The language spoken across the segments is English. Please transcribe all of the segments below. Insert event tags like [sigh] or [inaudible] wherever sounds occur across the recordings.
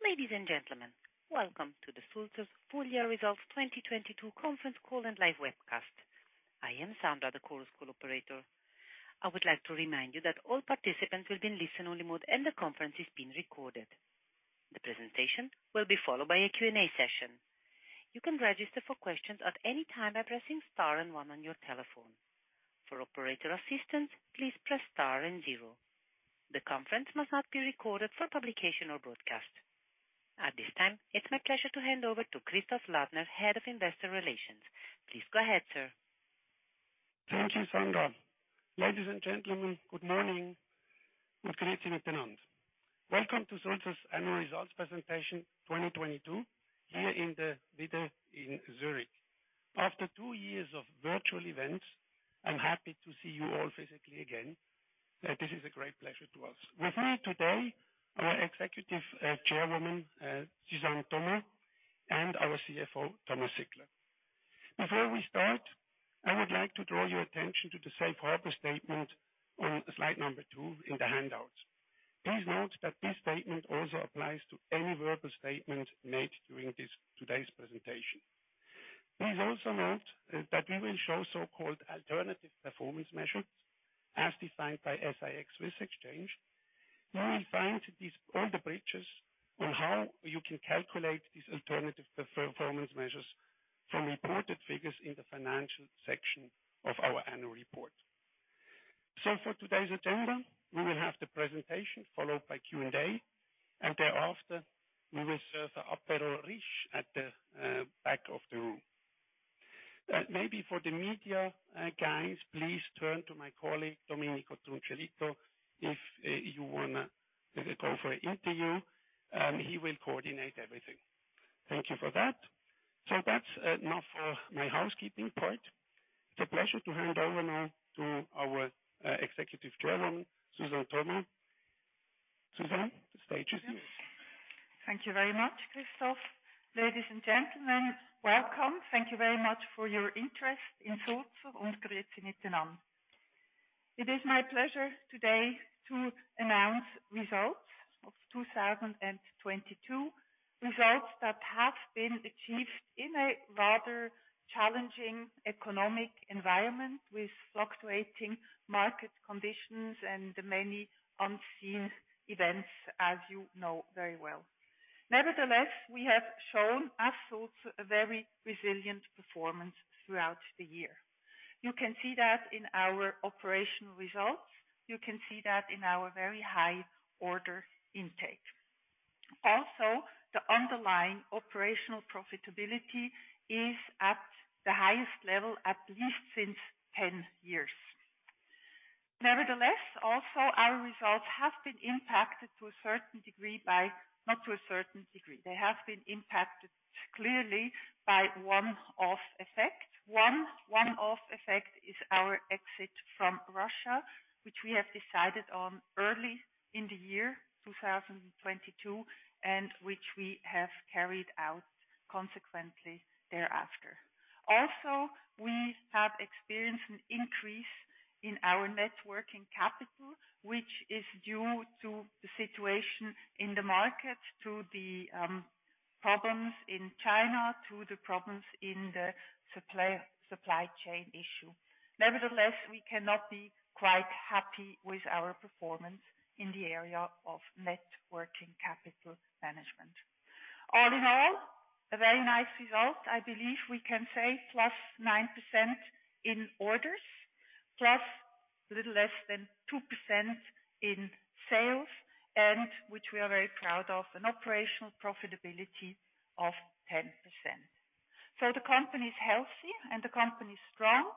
Ladies and gentlemen, welcome to the Sulzer's full year results 2022 conference call and live webcast. I am Sandra, the Chorus Call operator. I would like to remind you that all participants will be in listen only mode and the conference is being recorded. The presentation will be followed by a Q&A session. You can register for questions at any time by pressing star 1 on your telephone. For operator assistance, please press star zero. The conference must not be recorded for publication or broadcast. At this time, it's my pleasure to hand over to Christoph Ladner, Head of Investor Relations. Please go ahead, sir. Thank you, Sandra. Ladies and gentlemen, good morning. Welcome to Sulzer's Annual Results Presentation 2022 here in the video in Zurich. After two years of virtual events, I'm happy to see you all physically again. This is a great pleasure to us. With me today, our Executive Chairwoman Suzanne Thoma, and our CFO Thomas Zickler. Before we start, I would like to draw your attention to the safe harbor statement on slide number two in the handouts. Please note that this statement also applies to any verbal statement made during today's presentation. Please also note that we will show so-called alternative performance measures as defined by SIX Swiss Exchange. You will find these on the bridges on how you can calculate these alternative performance measures from reported figures in the financial section of our annual report. For today's agenda, we will have the presentation followed by Q&A, and thereafter we will serve the apéro riche at the back of the room. Maybe for the media, guys, please turn to my colleague, Domenico Truncellito, if you wanna go for an interview, and he will coordinate everything. Thank you for that. That's now for my housekeeping part. It's a pleasure to hand over now to our Executive Chairwoman, Suzanne Thoma. Suzanne, the stage is yours. Thank you very much, Christoph. Ladies and gentlemen, welcome. Thank you very much for your interest in Sulzer. It is my pleasure today to announce results of 2022. Results that have been achieved in a rather challenging economic environment with fluctuating market conditions and many unseen events, as you know very well. Nevertheless, we have shown at Sulzer a very resilient performance throughout the year. You can see that in our operational results. You can see that in our very high order intake. The underlying operational profitability is at the highest level, at least since 10 years. Also our results have been impacted clearly by one-off effect. One, one-off effect is our exit from Russia, which we have decided on early in the year 2022, and which we have carried out consequently thereafter. We have experienced an increase in our net working capital, which is due to the situation in the market, to the problems in China, to the problems in the supply chain issue. Nevertheless, we cannot be quite happy with our performance in the area of net working capital management. All in all, a very nice result, I believe we can say +9% in orders, plus a little less than 2% in sales, and which we are very proud of, an operational profitability of 10%. The company is healthy and the company is strong,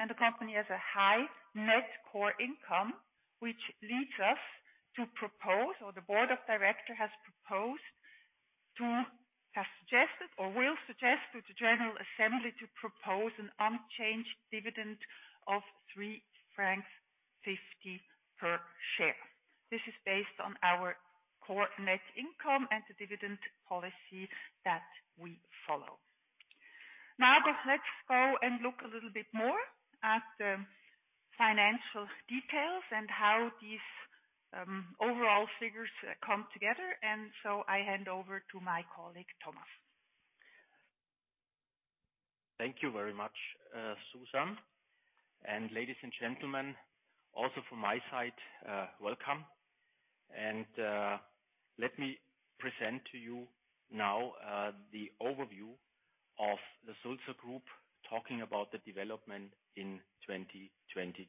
and the company has a high net core income, which leads us to propose, or the board of director has suggested or will suggest to the General Assembly to propose an unchanged dividend of 3.50 francs per share. This is based on our core net income and the dividend policy that we follow. Let's go and look a little bit more at the financial details and how these overall figures come together. I hand over to my colleague, Thomas. Thank you very much, Suzanne. Ladies and gentlemen, also from my side, welcome. Let me present to you now the overview of the Sulzer Group talking about the development in 2022.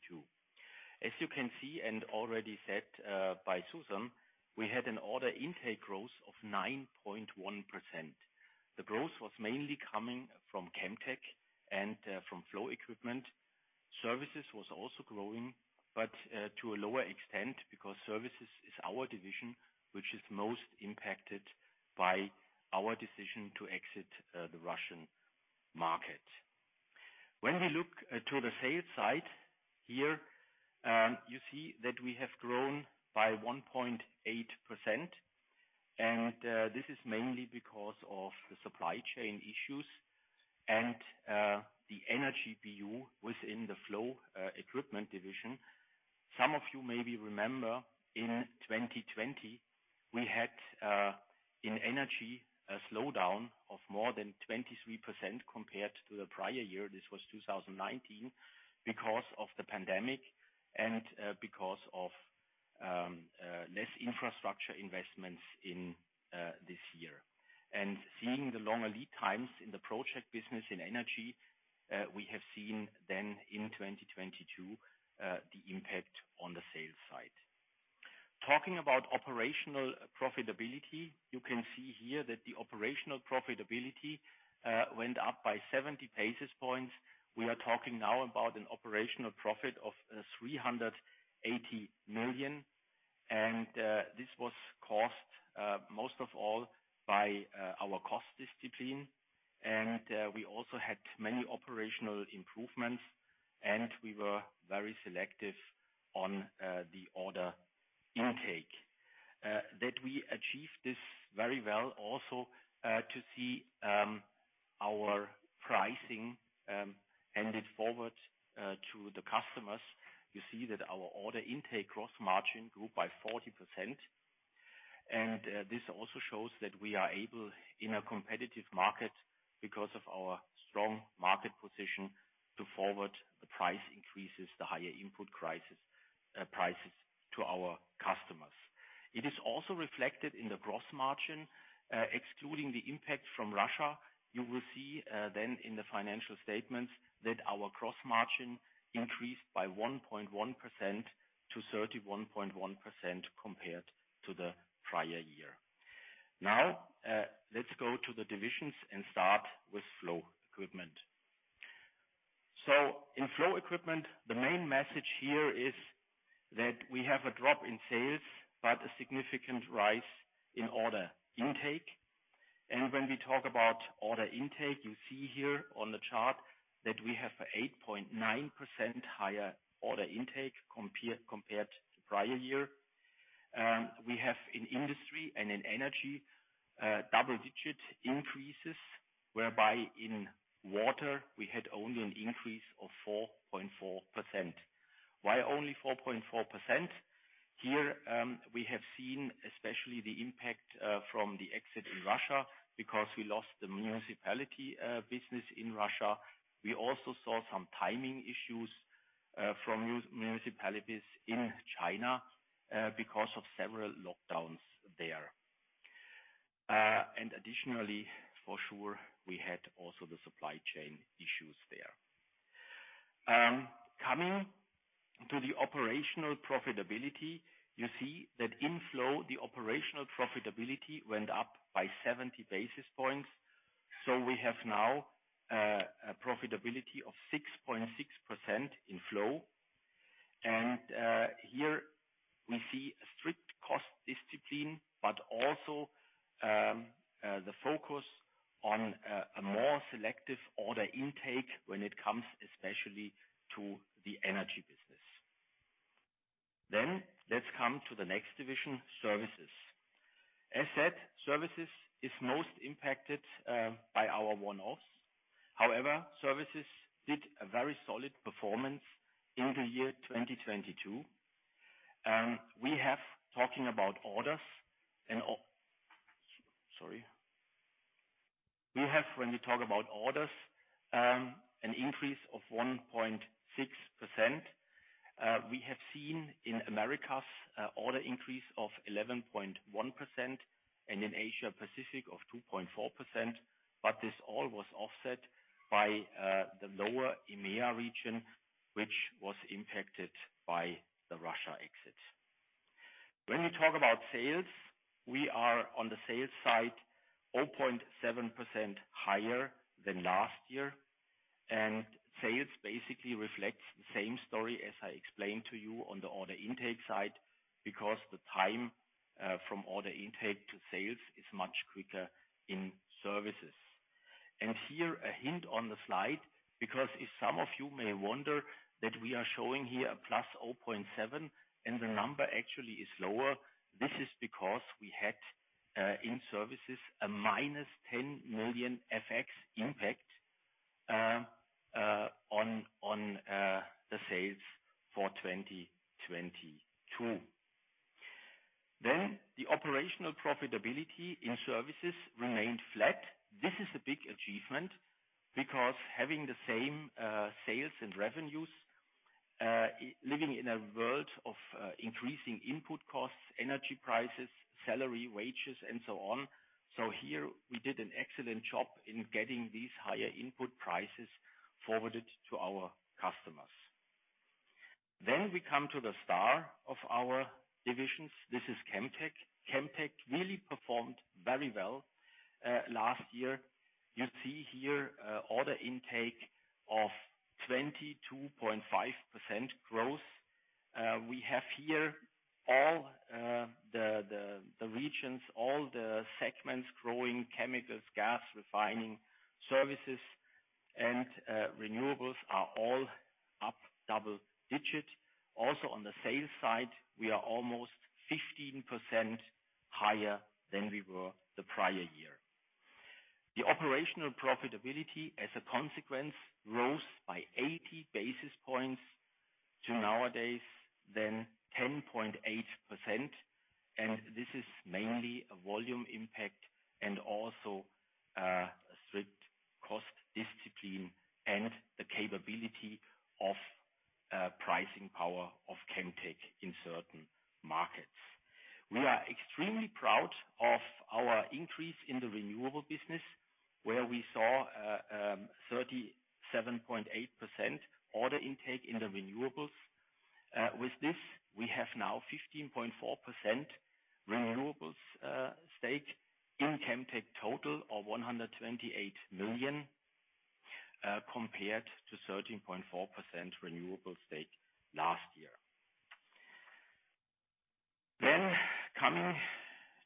As you can see and already said by Suzanne, we had an order intake growth of 9.1%. The growth was mainly coming from Chemtech and from Flow Equipment. Services was also growing, but to a lower extent because Services is our division which is most impacted by our decision to exit the Russian market. When we look to the sales side here, you see that we have grown by 1.8%. This is mainly because of the supply chain issues and the energy BU within the Flow Equipment division. Some of you maybe remember in 2020, we had in energy, a slowdown of more than 23% compared to the prior year. This was 2019, because of the pandemic and because of less infrastructure investments in this year. Seeing the longer lead times in the project business in energy, we have seen then in 2022, the impact on the sales side. Talking about operational profitability, you can see here that the operational profitability went up by 70 basis points. We are talking now about an operational profit of 380 million. This was caused most of all by our cost discipline. We also had many operational improvements, and we were very selective on the order intake. That we achieved this very well, also to see our pricing handed forward to the customers. You see that our order intake gross margin grew by 40%. This also shows that we are able, in a competitive market because of our strong market position, to forward the price increases, the higher input crisis prices to our customers. It is also reflected in the gross margin, excluding the impact from Russia. You will see then in the financial statements that our gross margin increased by 1.1%-31.1% compared to the prior year. Let's go to the divisions and start with Flow Equipment. In Flow Equipment, the main message here is that we have a drop in sales, but a significant rise in order intake. When we talk about order intake, you see here on the chart that we have 8.9% higher order intake compared to prior year. We have in industry and in energy, double-digit increases, whereby in water we had only an increase of 4.4%. Why only 4.4%? Here, we have seen especially the impact from the exit in Russia because we lost the municipality business in Russia. We also saw some timing issues from municipalities in China because of several lockdowns there. Additionally, for sure, we had also the supply chain issues there. Coming to the operational profitability, you see that in Flow, the operational profitability went up by 70 basis points. We have now a profitability of 6.6% in Flow. Here we see a strict cost discipline, but also the focus on a more selective order intake when it comes especially to the energy business. Let's come to the next division, Services. As said, Services is most impacted by our one-offs. However, Services did a very solid performance in 2022. We have, talking about orders and all. We have, when we talk about orders, an increase of 1.6%. We have seen in Americas order increase of 11.1% and in Asia-Pacific of 2.4%. This all was offset by the lower EMEA region, which was impacted by the Russia exit. We talk about sales, we are on the sales side, 0.7% higher than last year. Sales basically reflects the same story as I explained to you on the order intake side, because the time from order intake to sales is much quicker in Services. Here a hint on the slide, because if some of you may wonder that we are showing here a plus 0.7% and the number actually is lower, this is because we had in Services a -10 million FX impact on the sales for 2022. The operational profitability in Services remained flat. This is a big achievement because having the same sales and revenues living in a world of increasing input costs, energy prices, salary, wages and so on. Here we did an excellent job in getting these higher input prices forwarded to our customers. We come to the star of our divisions. This is Chemtech. Chemtech really performed very well last year. You see here order intake of 22.5% growth. We have here all the regions, all the segments growing, chemicals, gas refining Services. Renewables are all up double digit. Also on the sales side, we are almost 15% higher than we were the prior year. The operational profitability as a consequence, rose by 80 basis points to nowadays then 10.8%. This is mainly a volume impact and also a strict cost discipline and the capability of pricing power of Chemtech in certain markets. We are extremely proud of our increase in the renewable business, where we saw 37.8% order intake in the renewables. With this, we have now 15.4% renewables stake in Chemtech total of 128 million compared to 13.4% renewable stake last year. Coming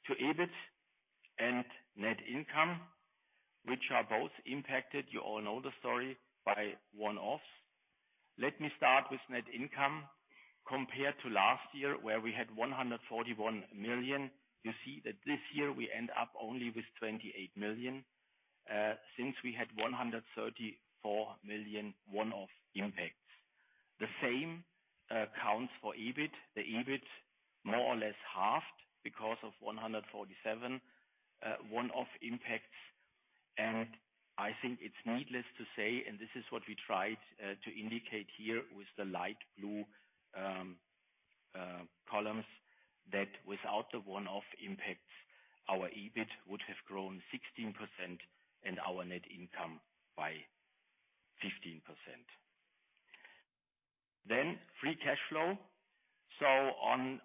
to EBIT and net income, which are both impacted, you all know the story, by one-offs. Let me start with net income compared to last year, where we had 141 million. You see that this year we end up only with 28 million since we had 134 million one-off impacts. The same counts for EBIT. The EBIT more or less halved because of 147 one-off impacts. I think it's needless to say, and this is what we tried to indicate here with the light blue columns, that without the one-off impacts, our EBIT would have grown 16% and our net income by 15%. Free cash flow. On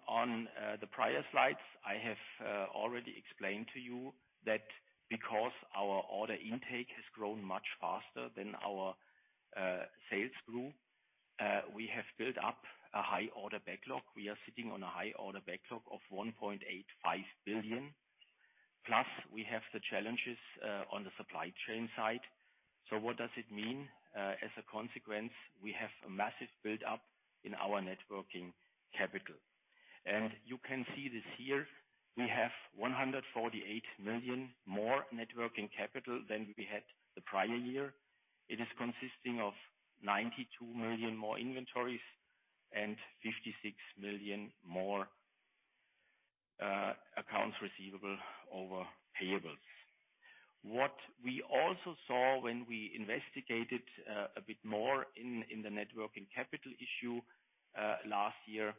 the prior slides, I have already explained to you that because our order intake has grown much faster than our sales grew, we have built up a high order backlog. We are sitting on a high order backlog of 1.85 billion. Plus, we have the challenges on the supply chain side. What does it mean? As a consequence, we have a massive build up in our net working capital. You can see this here. We have 148 million more net working capital than we had the prior year. It is consisting of 92 million more inventories and 56 million more accounts receivable over payables. What we also saw when we investigated a bit more in the net working capital issue last year,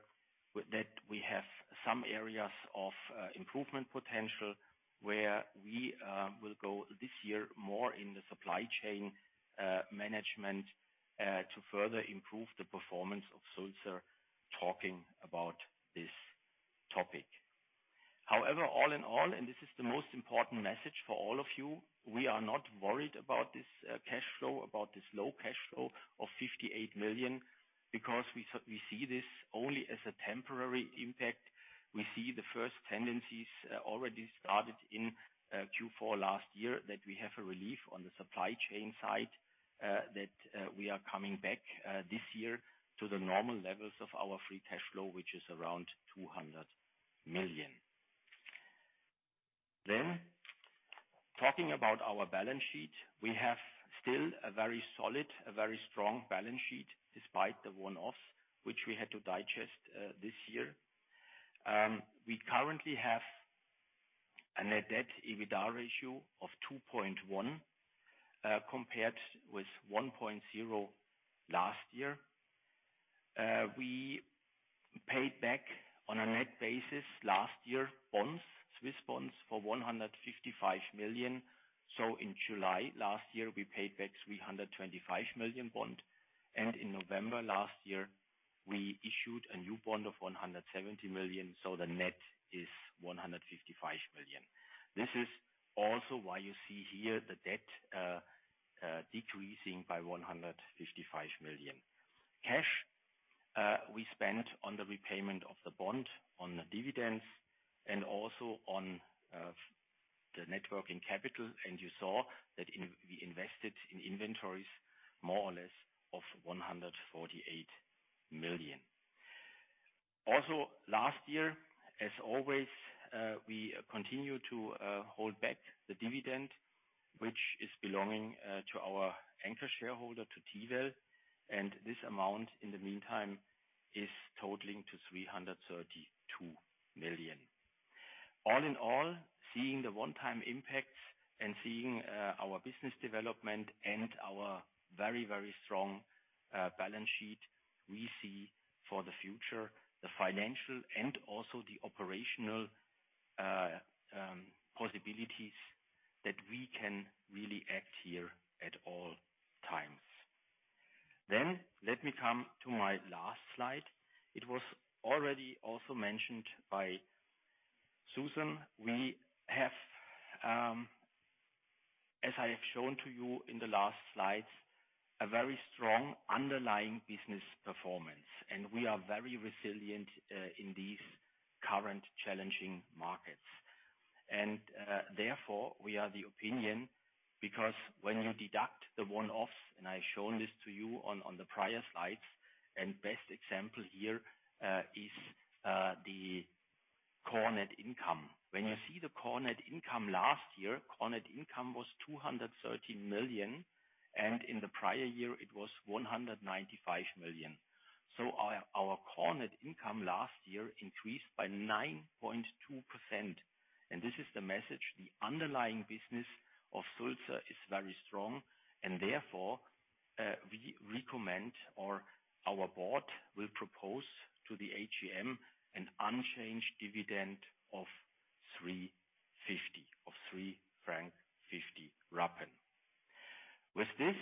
that we have some areas of improvement potential where we will go this year more in the supply chain management to further improve the performance of Sulzer talking about this topic. All in all, and this is the most important message for all of you, we are not worried about this cash flow, about this low cash flow of 58 million because we see this only as a temporary impact. We see the first tendencies, already started in Q4 last year that we have a relief on the supply chain side, that we are coming back this year to the normal levels of our free cash flow, which is around 200 million. Talking about our balance sheet. We have still a very solid, a very strong balance sheet despite the one-offs which we had to digest this year. We currently have a net debt to EBITDA ratio of 2.1, compared with 1.0 last year. We paid back on a net basis last year, bonds, Swiss bonds, for 155 million. In July last year, we paid back 325 million bond. In November last year, we issued a new bond of 170 million, so the net is 155 million. This is also why you see here the debt decreasing by 155 million. Cash we spent on the repayment of the bond on dividends and also on the net working capital. You saw that in, we invested in inventories more or less of 148 million. Also last year, as always, we continue to hold back the dividend, which is belonging to our anchor shareholder, to Tiwel. This amount, in the meantime, is totaling to 332 million. All in all, seeing the one-time impacts and seeing our business development and our very, very strong balance sheet, we see for the future the financial and also the operational possibilities that we can really act here at all times. Let me come to my last slide. It was already also mentioned by Suzanne. We have, as I have shown to you in the last slides, a very strong underlying business performance. We are very resilient in these current challenging markets. Therefore we are the opinion, because when you deduct the one-offs, I've shown this to you on the prior slides, and best example here is the core net income. When you see the core net income last year, core net income was 213 million, and in the prior year, it was 195 million. Our core net income last year increased by 9.2%. This is the message, the underlying business of Sulzer is very strong and therefore, we recommend or our board will propose to the AGM an unchanged dividend of 3.50 franc. With this,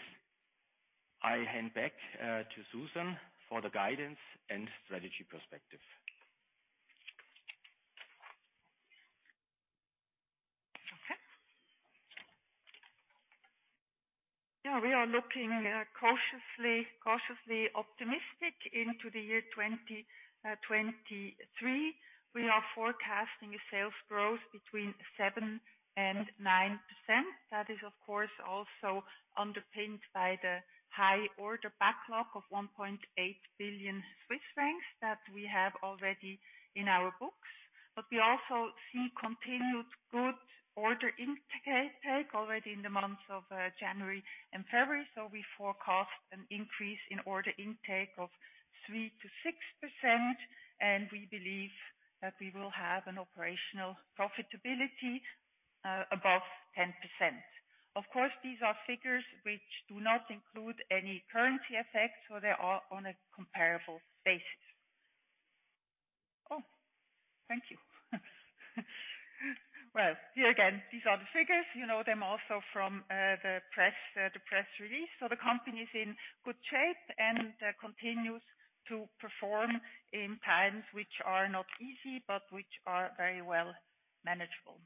I hand back to Suzanne for the guidance and strategy perspective. Okay. Yeah, we are looking cautiously optimistic into the year 2023. We are forecasting a sales growth between 7%-9%. That is, of course, also underpinned by the high order backlog of 1.8 billion Swiss francs that we have already in our books. We also see continued good order intake already in the months of January and February. We forecast an increase in order intake of 3%-6%, and we believe that we will have an operational profitability above 10%. Of course, these are figures which do not include any currency effects, so they are on a comparable basis. Oh, thank you. Well, here again, these are the figures. You know them also from the press release. The company is in good shape and continues to perform in times which are not easy, but which are very well manageable.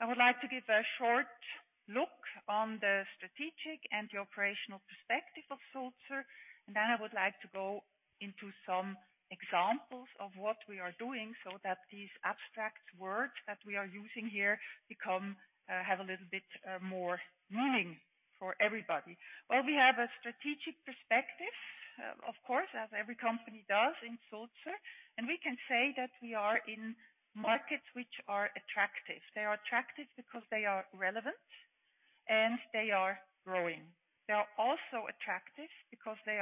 I would like to give a short look on the strategic and the operational perspective of Sulzer, and then I would like to go into some examples of what we are doing so that these abstract words that we are using here become, have a little bit more meaning for everybody. Well, we have a strategic perspective, of course, as every company does in Sulzer. We can say that we are in markets which are attractive. They are attractive because they are relevant and they are growing. They are also attractive because they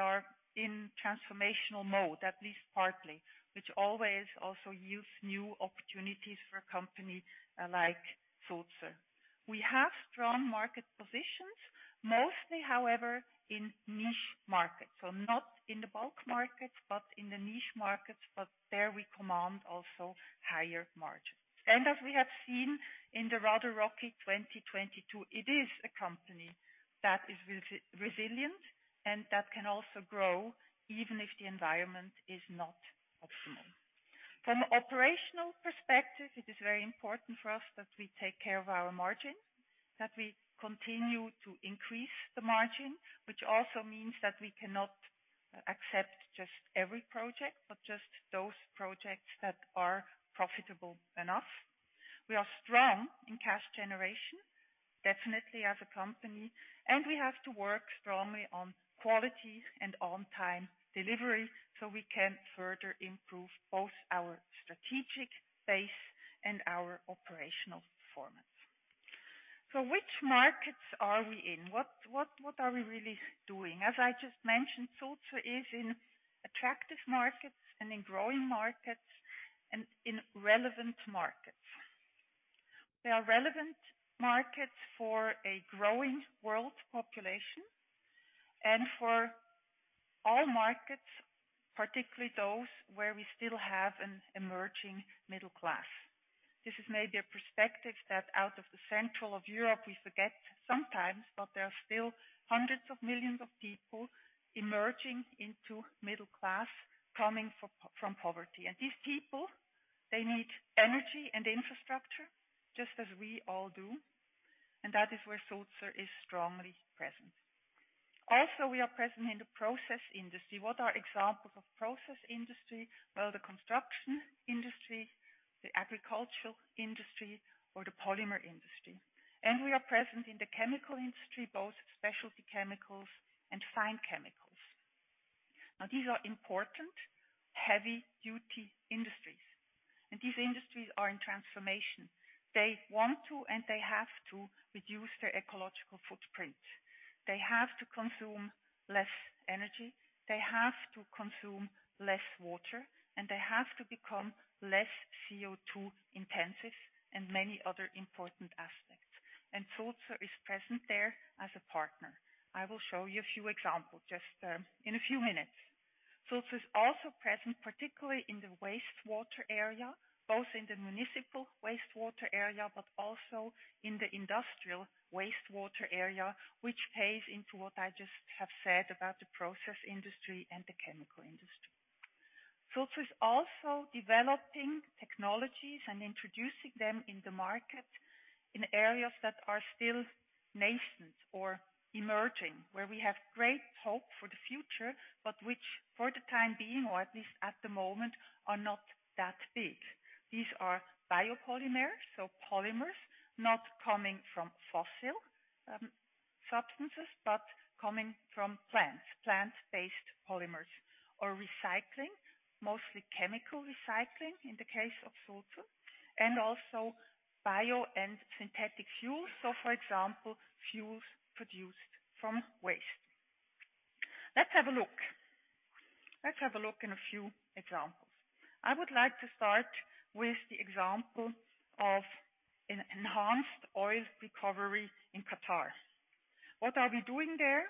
are in transformational mode, at least partly, which always also yields new opportunities for a company like Sulzer. We have strong market positions, mostly, however, in niche markets. Not in the bulk markets, but in the niche markets. There we command also higher margins. As we have seen in the rather rocky 2022, it is a company that is resilient and that can also grow even if the environment is not optimal. From operational perspective, it is very important for us that we take care of our margins, that we continue to increase the margin, which also means that we cannot accept just every project, but just those projects that are profitable enough. We are strong in cash generation, definitely as a company, and we have to work strongly on quality and on-time delivery, so we can further improve both our strategic base and our operational performance. Which markets are we in? What are we really doing? As I just mentioned, Sulzer is in attractive markets and in growing markets and in relevant markets. They are relevant markets for a growing world population and for all markets, particularly those where we still have an emerging middle class. This is maybe a perspective that out of the central of Europe we forget sometimes, but there are still hundreds of millions of people emerging into middle class, coming from poverty. These people, they need energy and infrastructure just as we all do, and that is where Sulzer is strongly present. Also, we are present in the process industry. What are examples of process industry? Well, the construction industry, the agricultural industry or the polymer industry. We are present in the chemical industry, both specialty chemicals and fine chemicals. Now, these are important heavy duty industries. These industries are in transformation. They want to, they have to reduce their ecological footprint. They have to consume less energy. They have to consume less water. They have to become less CO2 intensive and many other important aspects. Sulzer is present there as a partner. I will show you a few examples just in a few minutes. Sulzer is also present, particularly in the wastewater area, both in the municipal wastewater area, but also in the industrial wastewater area, which pays into what I just have said about the process industry and the chemical industry. Sulzer is also developing technologies and introducing them in the market in areas that are still nascent or emerging, where we have great hope for the future, but which for the time being, or at least at the moment, are not that big. These are biopolymers. Polymers not coming from fossil substances, but coming from plants, plant-based polymers, or recycling, mostly chemical recycling in the case of Sulzer. Also bio and synthetic fuels. For example, fuels produced from waste. Let's have a look in a few examples. I would like to start with the example of an enhanced oil recovery in Qatar. What are we doing there?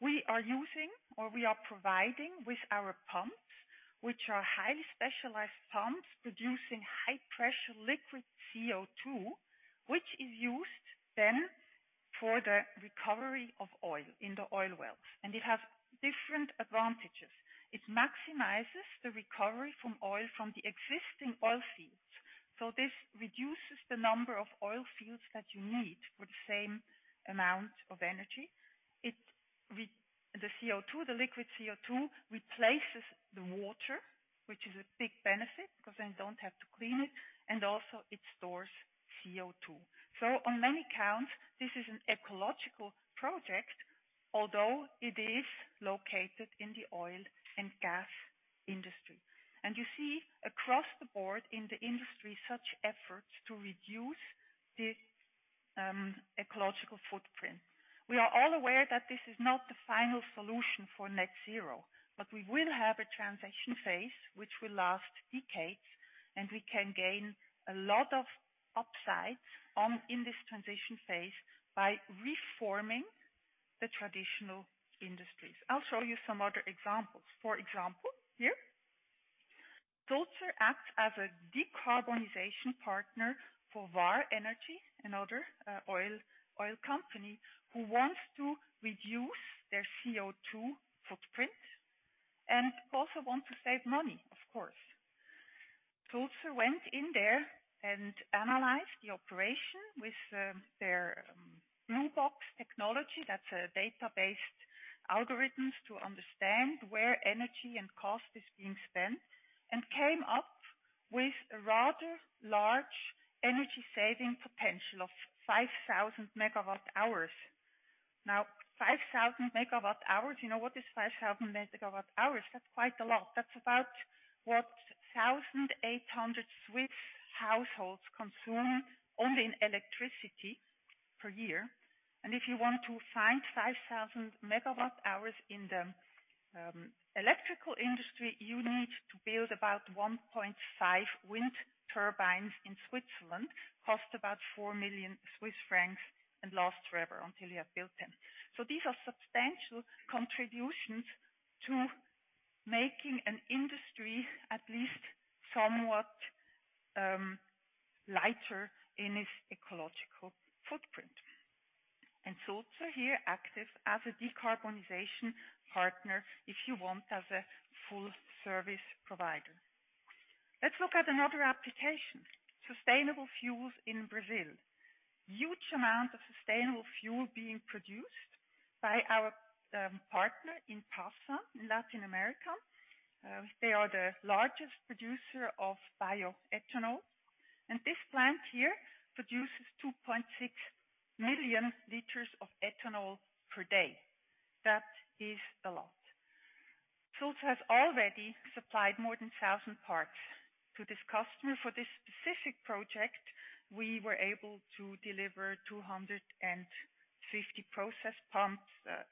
We are using or we are providing with our pumps, which are highly specialized pumps producing high pressure liquid CO2, which is used then for the recovery of oil in the oil wells. It has different advantages. It maximizes the recovery from oil from the existing oil fields. This reduces the number of oil fields that you need for the same amount of energy. The CO2, the liquid CO2, replaces the water, which is a big benefit because then you don't have to clean it, and also it stores CO2. On many counts, this is an ecological project, although it is located in the oil and gas industry. You see across the board in the industry, such efforts to reduce the ecological footprint. We are all aware that this is not the final solution for net zero, but we will have a transition phase which will last decades, and we can gain a lot of upsides on, in this transition phase by reforming the traditional industries. I'll show you some other examples. For example, here, Sulzer acts as a decarbonization partner for Vår Energi, another oil company who wants to reduce their CO2 footprint and also want to save money, of course. Sulzer went in there and analyzed the operation with their BLUE BOX technology. That's database algorithms to understand where energy and cost is being spent, and came up with a rather large energy saving potential of 5,000 MWh. Now, 5,000 MWh. You know what is 5,000 MWh? That's quite a lot. That's about what 1,800 Swiss households consume only in electricity per year. If you want to find 5,000 MWh in the electrical industry, you need to build about 1.5 wind turbines in Switzerland, cost about 4 million Swiss francs and last forever until you have built them. So these are substantial contributions to making an industry at least somewhat lighter in its ecological footprint. Sulzer here active as a decarbonization partner, if you want, as a full service provider. Let's look at another application. Sustainable fuels in Brazil. Huge amount of sustainable fuel being produced by our partner Inpasa in Latin America. They are the largest producer of bioethanol, and this plant here produces 2.6 million liters of ethanol per day. That is a lot. Sulzer has already supplied more than 1,000 parts to this customer. For this specific project, we were able to deliver 250 process pumps,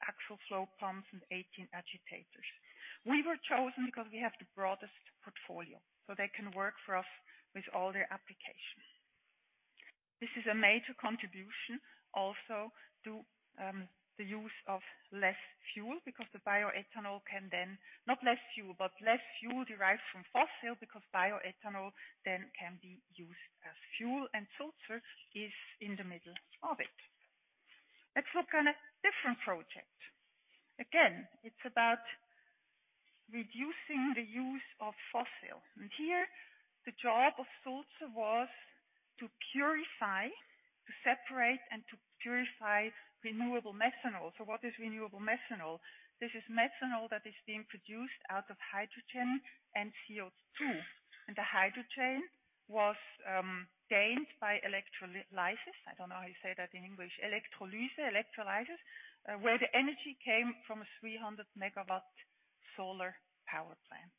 axial flow pumps, and 18 agitators. We were chosen because we have the broadest portfolio, so they can work for us with all their applications. This is a major contribution also to the use of less fuel because the bioethanol can then Not less fuel, but less fuel derived from fossil because bioethanol then can be used as fuel, and Sulzer is in the middle of it. Let's look on a different project. Again, it's about reducing the use of fossil. Here the job of Sulzer was to purify, to separate and to purify renewable methanol. What is renewable methanol? This is methanol that is being produced out of hydrogen and CO2. The hydrogen was gained by electrolysis. I don't know how you say that in English. Electrolyzer, electrolysis, where the energy came from a 300 MW solar power plant.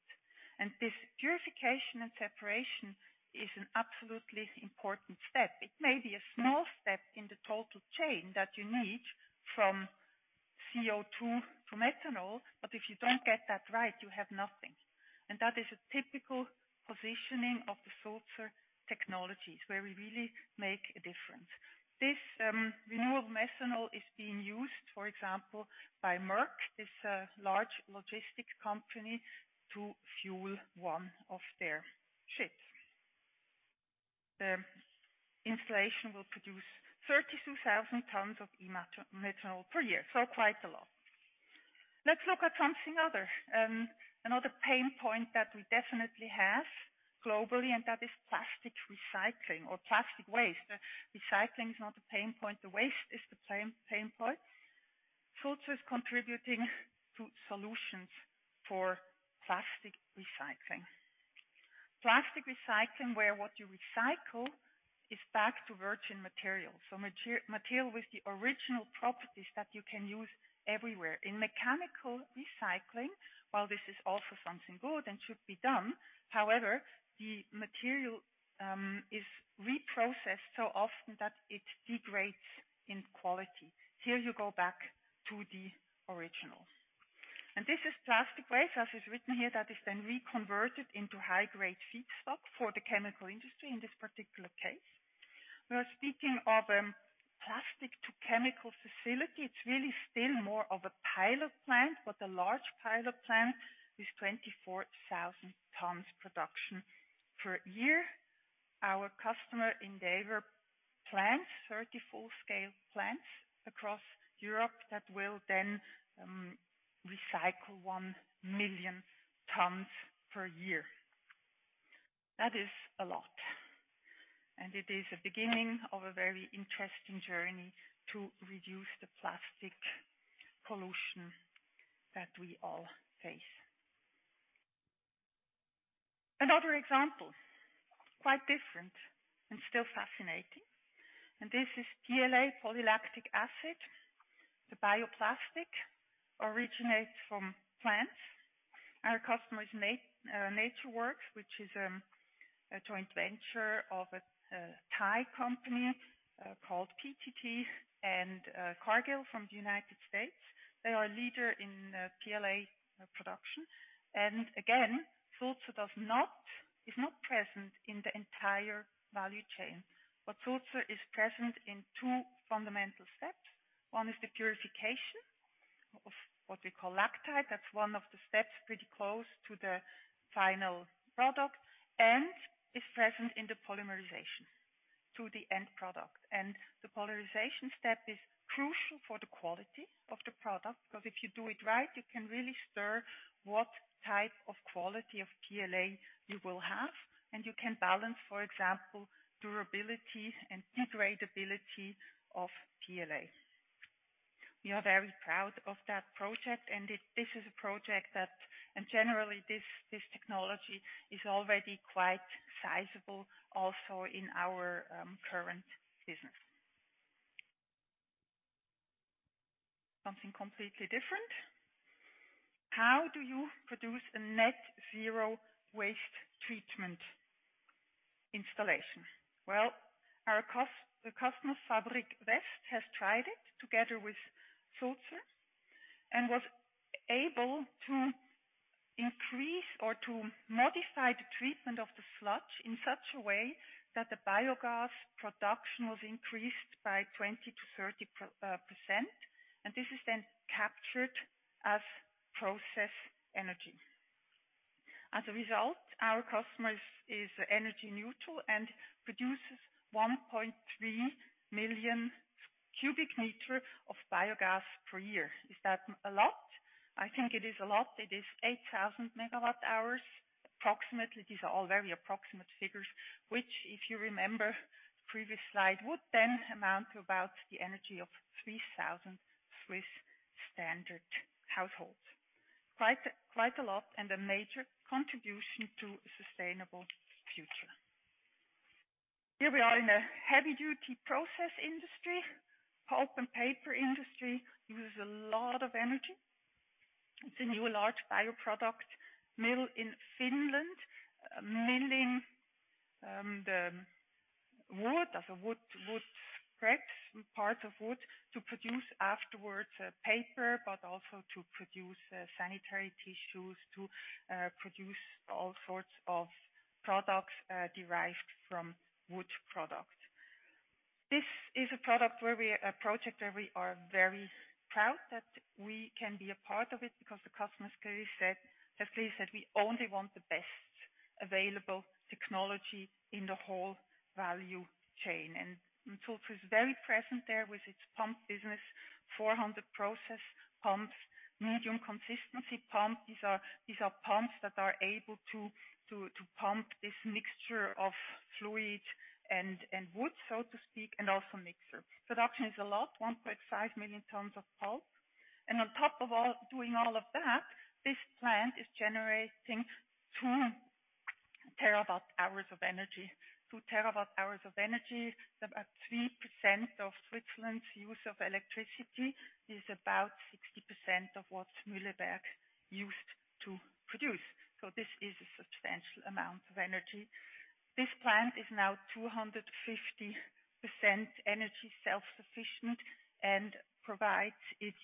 This purification and separation is an absolutely important step. It may be a small step in the total chain that you need from CO2 to methanol, but if you don't get that right, you have nothing. That is a typical positioning of the Sulzer technologies, where we really make a difference. This renewable methanol is being used, for example, by Maersk, this large logistics company, to fuel one of their ships. The installation will produce 32,000 tons of e-methanol per year, so quite a lot. Let's look at something other. Another pain point that we definitely have globally, and that is plastic recycling or plastic waste. Recycling is not a pain point. The waste is the pain point. Sulzer is contributing to solutions for plastic recycling. Plastic recycling, where what you recycle is back to virgin material. Material with the original properties that you can use everywhere. In mechanical recycling, while this is also something good and should be done, however, the material is reprocessed so often that it degrades in quality. Here you go back to the original. This is plastic waste, as is written here, that is then reconverted into high-grade feedstock for the chemical industry, in this particular case. We are speaking of plastic to chemical facility. It's really still more of a pilot plant, but a large pilot plant with 24,000 tons production per year. Our customer Indaver plants 30 full-scale plants across Europe that will then recycle 1 million tons per year. That is a lot, and it is a beginning of a very interesting journey to reduce the plastic pollution that we all face. Another example, quite different and still fascinating. This is PLA polylactic acid. The bioplastic originates from plants. Our customer is NatureWorks, which is a joint venture of a Thai company called PTT and Cargill from the United States. They are a leader in PLA production. Again, Sulzer is not present in the entire value chain. Sulzer is present in two fundamental steps. One is the purification of what we call lactide. That's one of the steps pretty close to the final product and is present in the polymerization to the end product. The polymerization step is crucial for the quality of the product, because if you do it right, you can really stir what type of quality of PLA you will have, and you can balance, for example, durability and degradability of PLA. We are very proud of that project, and this is a project that. Generally this technology is already quite sizable also in our current business. Something completely different. How do you produce a net zero waste treatment installation? Our customer Fabriek West has tried it together with Sulzer and was able to increase or to modify the treatment of the sludge in such a way that the biogas production was increased by 20%-30%. This is then captured as process energy. As a result, our customer is energy neutral and produces 1.3 million cubic meter of biogas per year. Is that a lot? I think it is a lot. It is 8,000 MWh, approximately. These are all very approximate figures, which, if you remember previous slide, would then amount to about the energy of 3,000 Swiss standard households. Quite a lot, a major contribution to a sustainable future. Here we are in a heavy-duty process industry. Pulp and paper industry uses a lot of energy. It's a new large bioproduct mill in Finland, milling the wood of a wood cracks, part of wood, to produce afterwards paper, but also to produce sanitary tissues, to produce all sorts of products derived from wood product. A project where we are very proud that we can be a part of it because the customer clearly said, has clearly said, "We only want the best available technology in the whole value chain." Sulzer is very present there with its pump business, 400 process pumps, medium consistency pumps. These are pumps that are able to pump this mixture of fluid and wood, so to speak, and also mixture. Production is a lot, 1.5 million tons of pulp. On top of all doing all of that, this plant is generating 2 TWh of energy. 2 TWh of energy, about 3% of Switzerland's use of electricity is about 60% of what Mühleberg used to produce. This is a substantial amount of energy. This plant is now 250% energy self-sufficient and provides its.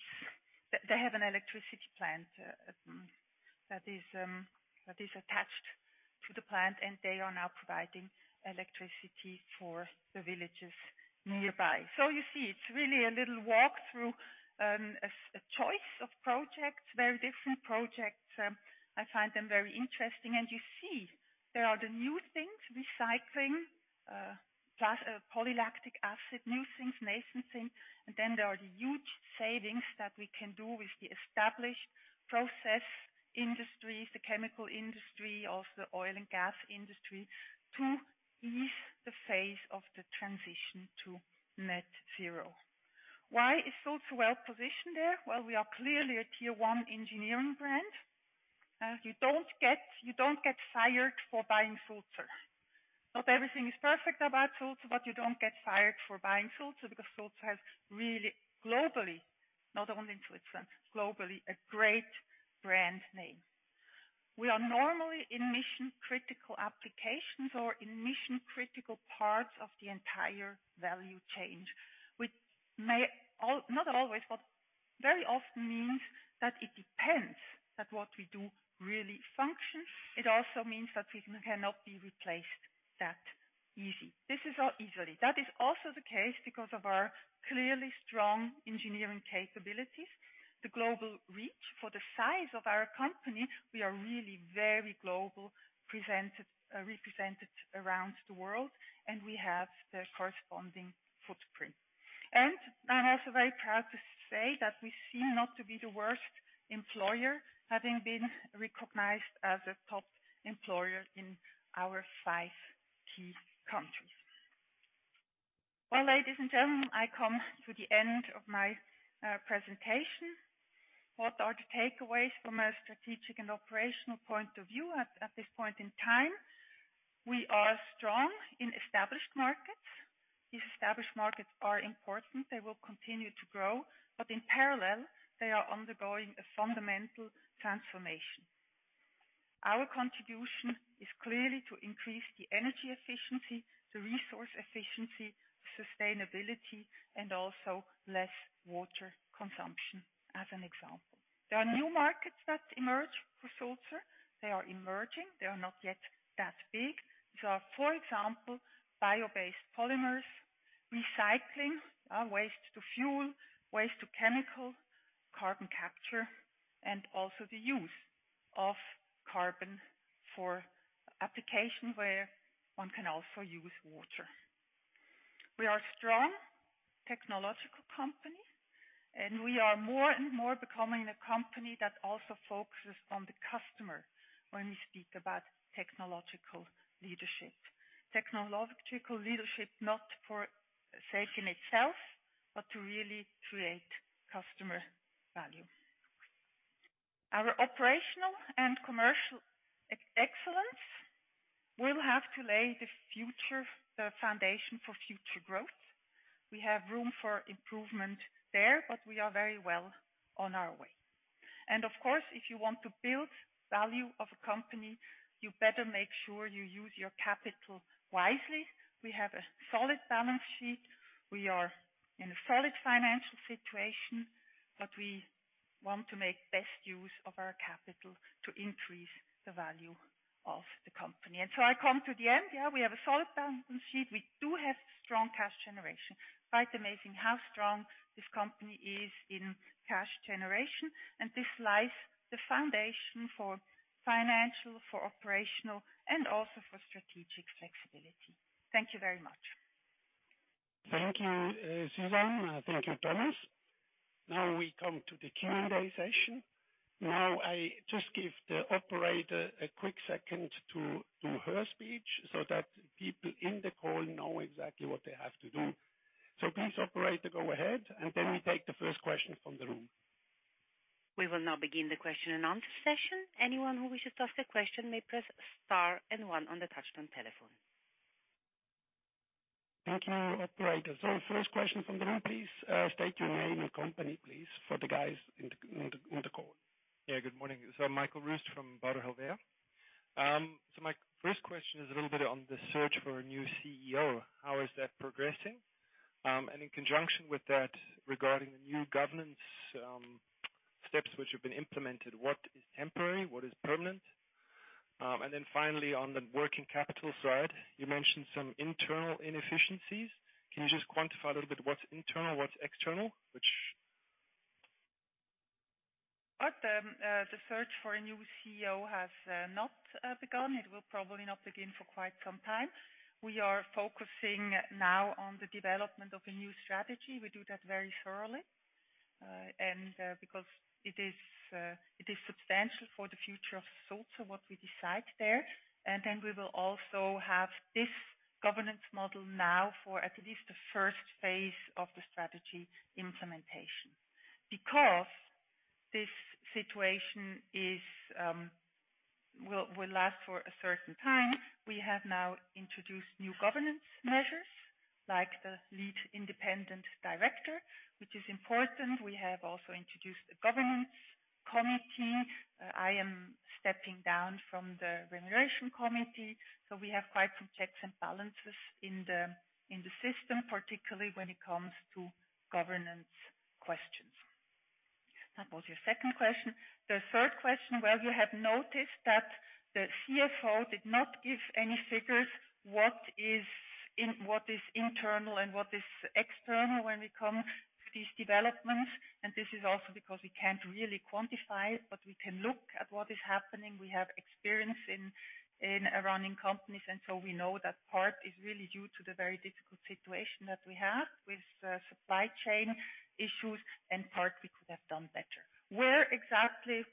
They have an electricity plant that is attached to the plant, and they are now providing electricity for the villages nearby. You see, it's really a little walk through a choice of projects, very different projects. I find them very interesting. You see there are the new things, recycling, plus a polylactic acid, new things, nascent things. There are the huge savings that we can do with the established process industry, the chemical industry, also the oil and gas industry, to ease the phase of the transition to net zero. Why is Sulzer well positioned there? Well, we are clearly a tier one engineering brand. You don't get fired for buying Sulzer. Not everything is perfect about Sulzer, you don't get fired for buying Sulzer because Sulzer has really globally, not only in Switzerland, globally, a great brand name. We are normally in mission critical applications or in mission critical parts of the entire value chain. Which may, not always, very often means that it depends that what we do really functions. It also means that we cannot be replaced that easy. This is our easily. That is also the case because of our clearly strong engineering capabilities, the global reach. For the size of our company, we are really very global represented around the world, and we have the corresponding footprint. I'm also very proud to say that we seem not to be the worst employer, having been recognized as a top employer in our five key countries. Well, ladies and gentlemen, I come to the end of my presentation. What are the takeaways from a strategic and operational point of view at this point in time? We are strong in established markets. These established markets are important. They will continue to grow, but in parallel they are undergoing a fundamental transformation. Our contribution is clearly to increase the energy efficiency, the resource efficiency, sustainability, and also less water consumption, as an example. There are new markets that emerge for Sulzer. They are emerging. They are not yet that big. These are, for example, bio-based polymers, recycling, waste to fuel, waste to chemical, carbon capture, and also the use of carbon for applications where one can also use water. We are a strong technological company, we are more and more becoming a company that also focuses on the customer when we speak about technological leadership. Technological leadership, not for sake in itself, but to really create customer value. Our operational and commercial e-excellence will have to lay the future, the foundation for future growth. We have room for improvement there, but we are very well on our way. Of course, if you want to build value of a company, you better make sure you use your capital wisely. We have a solid balance sheet. We are in a solid financial situation, but we want to make best use of our capital to increase the value of the company. I come to the end. Yeah, we have a solid balance sheet. We do have strong cash generation. Quite amazing how strong this company is in cash generation. This lies the foundation for financial, for operational, and also for strategic flexibility. Thank you very much. Thank you, Suzanne. Thank you, Thomas. We come to the Q&A session. I just give the operator a quick second to do her speech so that people in the call know exactly what they have to do. Please, operator, go ahead. We take the first question from the room. We will now begin the question-and-answer session. Anyone who wishes to ask a question may press star and one on the touchtone telephone. Thank you, operator. First question from the room, please. State your name and company, please, for the guys on the call. Yeah, good morning. Michael Roost from Baader Helvea. My first question is a little bit on the search for a new CEO. How is that progressing? In conjunction with that, regarding the new governance, steps which have been implemented, what is temporary, what is permanent? Finally, on the working capital side, you mentioned some internal inefficiencies. Can you just quantify a little bit what's internal, what's external? The search for a new CEO has not begun. It will probably not begin for quite some time. We are focusing now on the development of a new strategy. We do that very thoroughly. Because it is substantial for the future of Sulzer, what we decide there. We will also have this governance model now for at least the first phase of the strategy implementation. Because this situation will last for a certain time, we have now introduced new governance measures, like the lead independent director, which is important. We have also introduced a governance committee. I am stepping down from the remuneration committee. We have quite some checks and balances in the system, particularly when it comes to governance questions. That was your second question. The third question, well, you have noticed that the CFO did not give any figures, what is in, what is internal and what is external when we come to these developments. This is also because we can't really quantify it, but we can look at what is happening. We have experience in running companies, and so we know that part is really due to the very difficult situation that we have with supply chain issues, and part we could have done better. Where exactly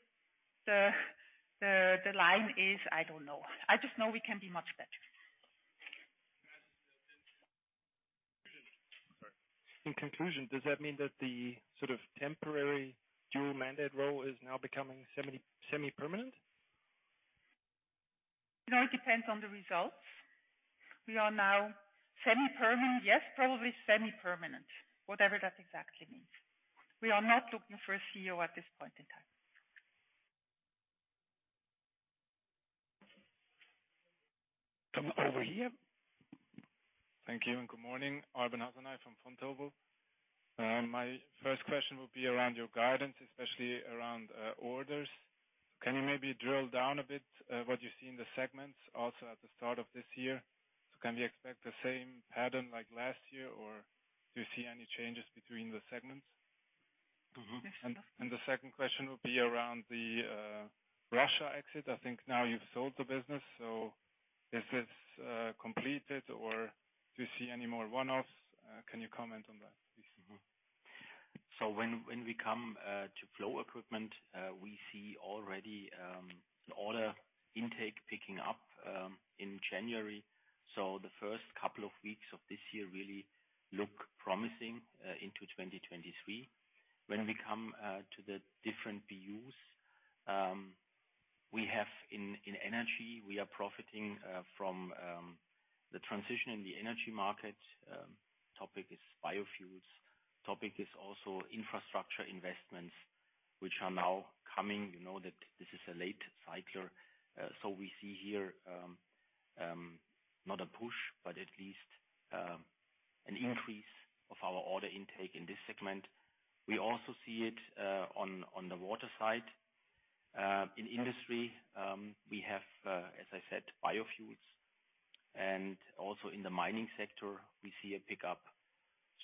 the line is, I don't know. I just know we can be much better. In conclusion, does that mean that the sort of temporary dual mandate role is now becoming semi-permanent? You know, it depends on the results. We are now semi-permanent. Yes, probably semi-permanent, whatever that exactly means. We are not looking for a CEO at this point in time. Come over here? Thank you and good morning. Arben Hasanaj from Vontobel. My first question would be around your guidance, especially around orders. Can you maybe drill down a bit, what you see in the segments also at the start of this year? Can we expect the same pattern like last year, or do you see any changes between the segments? Next one? The second question would be around the Russia exit. I think now you've sold the business, is this completed or do you see any more one-offs? Can you comment on that, please? When we come to Flow Equipment, we see already the order intake picking up in January. The first couple of weeks of this year really look promising into 2023. When we come to the different BUs, we have in energy, we are profiting from the transition in the energy market. Topic is biofuels. Topic is also infrastructure investments, which are now coming. You know that this is a late cycler. We see here not a push, but at least an increase of our order intake in this segment. We also see it on the water side. In industry, we have, as I said, biofuels. Also in the mining sector, we see a pickup.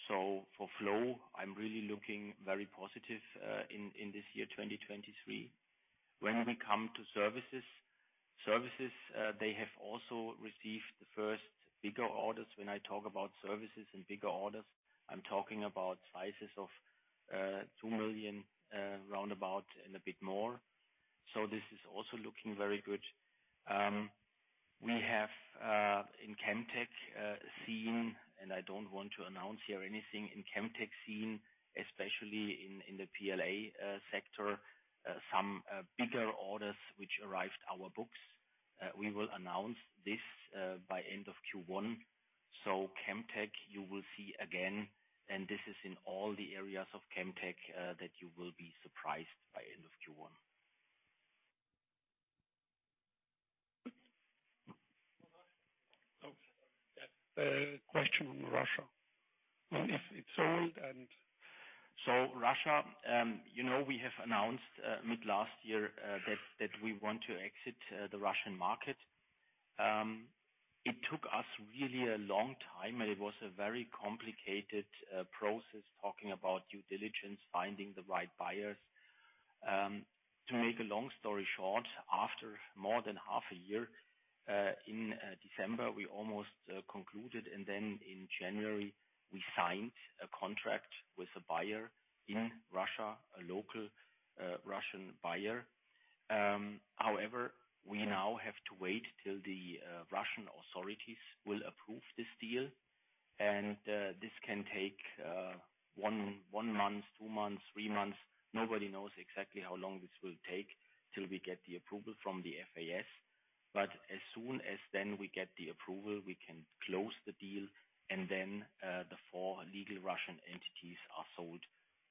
For Flow, I'm really looking very positive in this year, 2023. When we come to Services. Services, they have also received the first bigger orders. When I talk about Services and bigger orders, I'm talking about sizes of 2 million roundabout and a bit more. This is also looking very good. We have in Chemtech seen, especially in the PLA sector, some bigger orders which arrived our books. We will announce this by end of Q1. Chemtech, you will see again, and this is in all the areas of Chemtech, that you will be surprised by end of Q1. Yeah. question on Russia. If it's sold and... So, Russia, you know, we have announced mid-last year that we want to exit the Russian market. It took us really a long time, and it was a very complicated process, talking about due diligence, finding the right buyers. To make a long story short, after more than half a year in December, we almost concluded, and then in January we signed a contract with a buyer in Russia, a local Russian buyer. However, we now have to wait till the Russian authorities will approve this deal. This can take 1 month, 2 months, 3 months. Nobody knows exactly how long this will take till we get the approval from the FAS. As soon as then we get the approval, we can close the deal, and then, the four legal Russian entities are sold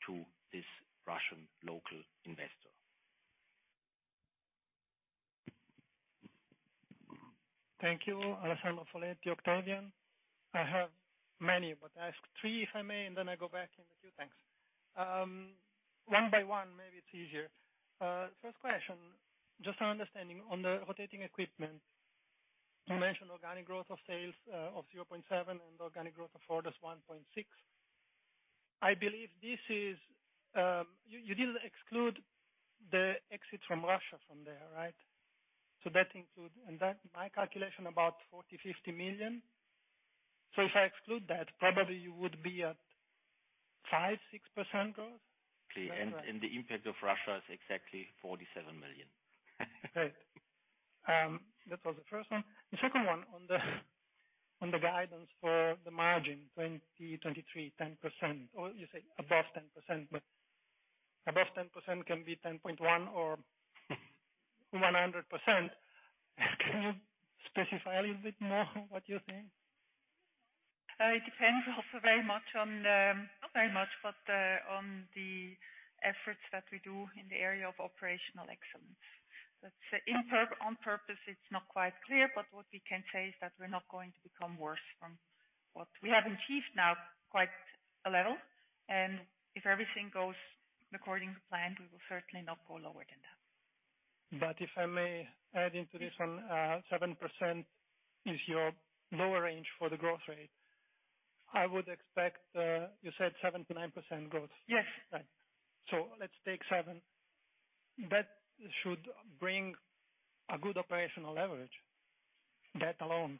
to this Russian local investor. Thank you. Alessandro Foletti, Octavian. I have many, but I ask three if I may, and then I go back in a few things. One by one, maybe it's easier. First question, just understanding on the rotating equipment, you mentioned organic growth of sales of 0.7 and organic growth of orders 1.6. I believe this is, you did exclude the exit from Russia from there, right? That include, in that, my calculation about 40 million-50 million. If I exclude that, probably you would be at 5%-6% growth. The impact of Russia is exactly 47 million. That was the first one. The second one, on the, on the guidance for the margin, 2023, 10%, or you say above 10%, but above 10% can be 10.1% or 100%. Can you specify a little bit more what you think? it depends also very much on the not very much, but on the efforts that we do in the area of operational excellence. That's on purpose, it's not quite clear, but what we can say is that we're not going to become worse from what we have achieved now, quite a level. If everything goes according to plan, we will certainly not go lower than that. If I may add into this one, 7% is your lower range for the growth rate. I would expect, you said 7%-9% growth. Yes. Right. Let's take 7%. That should bring a good operational leverage. That alone.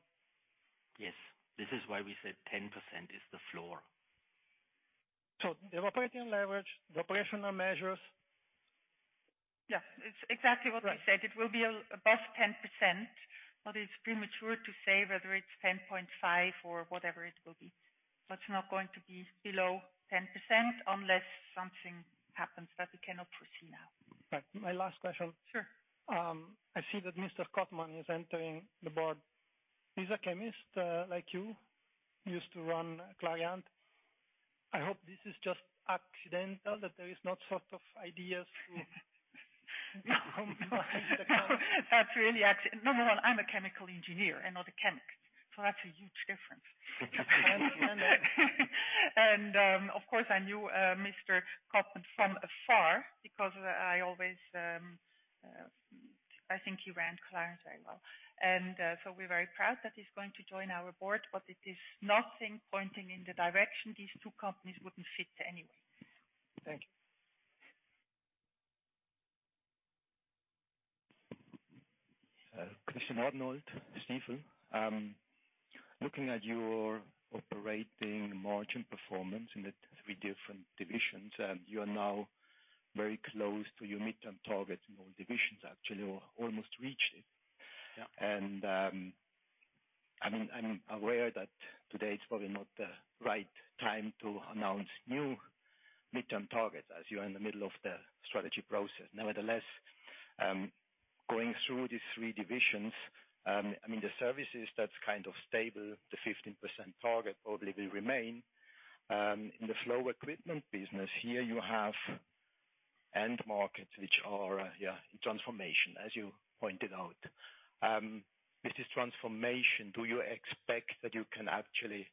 Yes. This is why we said 10% is the floor. The operating leverage, the operational measures. It's exactly what we said. It will be above 10%, but it's premature to say whether it's 10.5% or whatever it will be. It's not going to be below 10% unless something happens that we cannot foresee now. Right. My last question. Sure. I see that Mr. Kottmann is entering the board. He's a chemist, like you. Used to run Clariant. I hope this is just accidental, that there is not sort of ideas to use the account. Number one, I'm a chemical engineer and not a chemist, so that's a huge difference. Of course, I knew Mr. Kottmann from afar because I always think he ran Clariant very well. We're very proud that he's going to join our board, it is nothing pointing in the direction these two companies wouldn't fit anyway. Thank you. Christian Arnold, Stifel. Looking at your operating margin performance in the three different divisions, you are now very close to your midterm target in all divisions. Actually, you almost reached it. I mean, I'm aware that today it's probably not the right time to announce new midterm targets as you are in the middle of the strategy process. Nevertheless, going through these three divisions, I mean, the Services, that's kind of stable. The 15% target probably will remain. In the Flow Equipment business, here you have end markets which are, in transformation, as you pointed out. With this transformation, do you expect that you can actually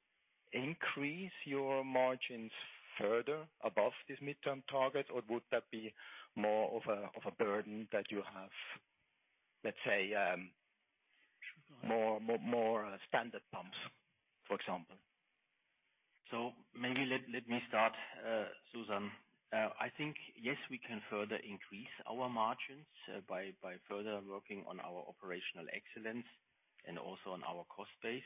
increase your margins further above this midterm target? Or would that be more of a burden that you have, let's say, more standard pumps, for example? Maybe let me start, Suzanne. I think, yes, we can further increase our margins by further working on our operational excellence and also on our cost base.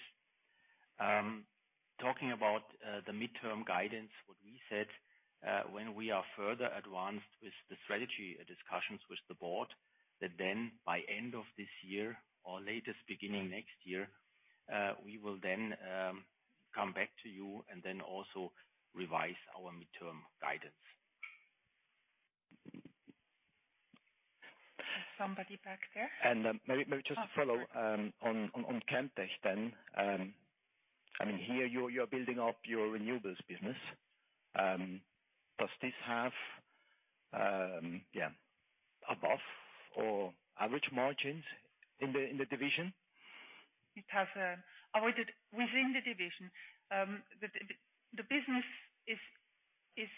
Talking about the midterm guidance, what we said, when we are further advanced with the strategy discussions with the board, that then by end of this year or latest beginning next year, we will then come back to you and then also revise our midterm guidance. There's somebody back there. Maybe just to follow on Chemtech then. I mean, here you're building up your renewables business. Does this have, yeah, above or average margins in the division? It has avoided within the division. The business is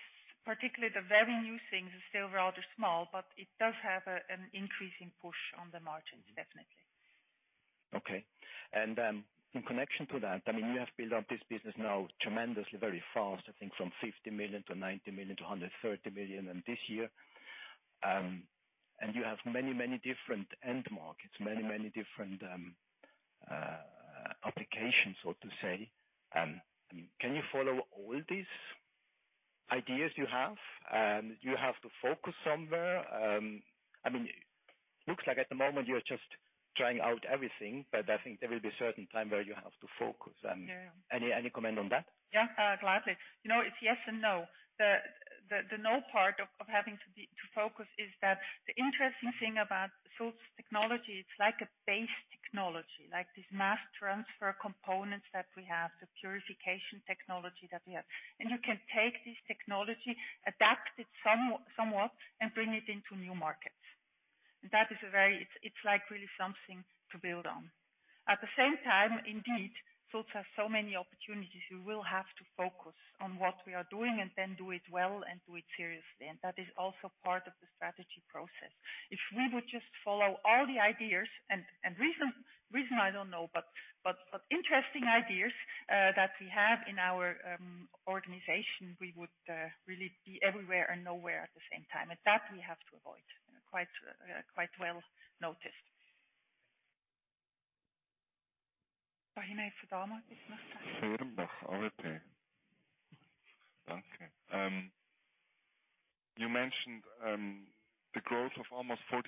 particularly the very new things are still rather small, but it does have an increasing push on the margins, definitely. Okay. In connection to that, I mean, you have built up this business now tremendously, very fast, I think from 50 million-90 million or 130 million and this year. You have many, many different end markets, many, many different applications, so to say. Can you follow all these ideas you have? Do you have to focus somewhere? I mean, looks like at the moment you are just trying out everything, but I think there will be a certain time where you have to focus. Any comment on that? Gladly. You know, it's yes and no. The no part of having to focus is that the interesting thing about Sulzer's technology, it's like a base technology. Like these mass transfer components that we have, the purification technology that we have. You can take this technology, adapt it somewhat, and bring it into new markets. That is a very... It's like really something to build on. At the same time, indeed, Sulzer has so many opportunities. We will have to focus on what we are doing and then do it well and do it seriously. That is also part of the strategy process. If we would just follow all the ideas and reason I don't know, but interesting ideas, that we have in our organization, we would really be everywhere and nowhere at the same time. That we have to avoid, quite well noted. Next question. Thank you. You mentioned, the growth of almost 40%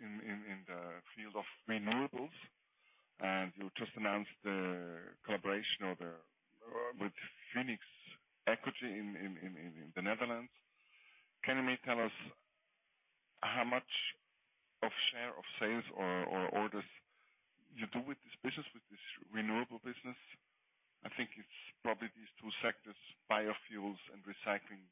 in the field of renewables, and you just announced the collaboration with Fuenix Ecogy in the Netherlands. Can you maybe tell us how much of share of sales or orders? You do with this business, with this renewable business, I think it's probably these two sectors, biofuels and recycling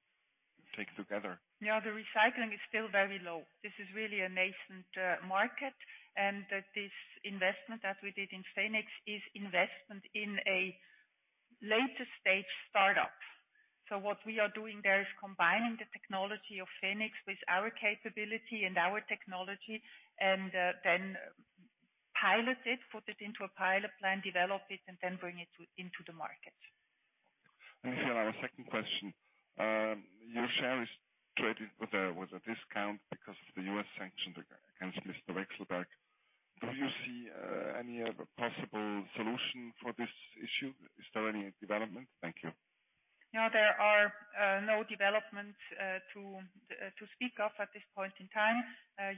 take together. The recycling is still very low. This is really a nascent market. That this investment that we did in Fuenix is investment in a later stage startup. What we are doing there is combining the technology of Fuenix with our capability and our technology and then pilot it, put it into a pilot plan, develop it, and then bring it into the market. Here our second question. Your share is traded with a, with a discount because of the U.S. sanctions against Mr. Vekselberg. Do you see any other possible solution for this issue? Is there any development? Thank you. There are no developments to speak of at this point in time.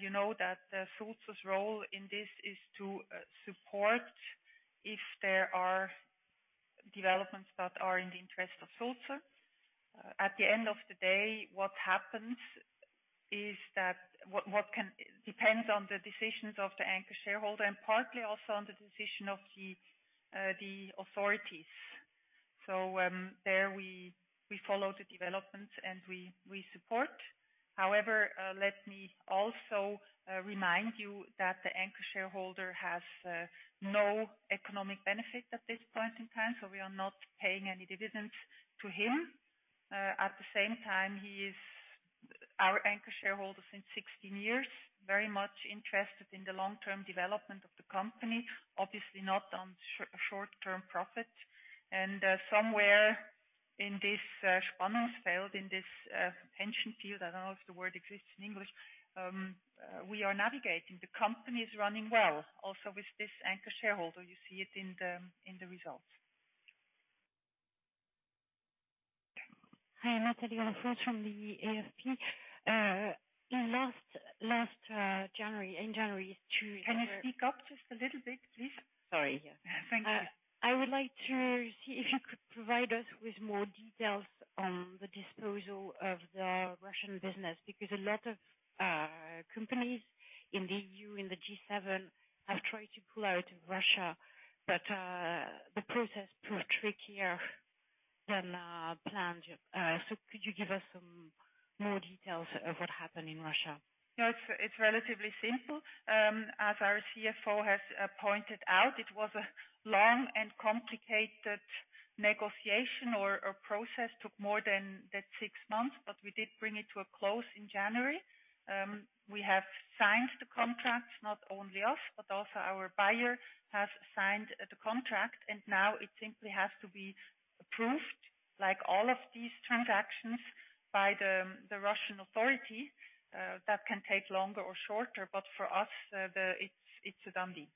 You know that Sulzer's role in this is to support if there are developments that are in the interest of Sulzer. At the end of the day, what happens is that depends on the decisions of the anchor shareholder and partly also on the decision of the authorities. There we follow the developments, and we support. However, let me also remind you that the anchor shareholder has no economic benefit at this point in time, so we are not paying any dividends to him. At the same time, he is our anchor shareholder since 16 years, very much interested in the long-term development of the company, obviously not on short-term profit. Somewhere in this field, in this tension field, I don't know if the word exists in English, we are navigating. The company is running well also with this anchor shareholder. You see it in the results. Hi, [crosstalk] in last January this year. Can you speak up just a little bit, please? Sorry. Thank you. I would like to see if you could provide us with more details on the disposal of the Russian business, because a lot of companies in the EU, in the G7, have tried to pull out of Russia, but the process proved trickier than planned. Could you give us some more details of what happened in Russia? It's relatively simple. As our CFO has pointed out, it was a long and complicated negotiation or process. Took more than that six months. We did bring it to a close in January. We have signed the contract, not only us, but also our buyer has signed the contract. Now it simply has to be approved, like all of these transactions, by the Russian authority. That can take longer or shorter, but for us, it's a done deal.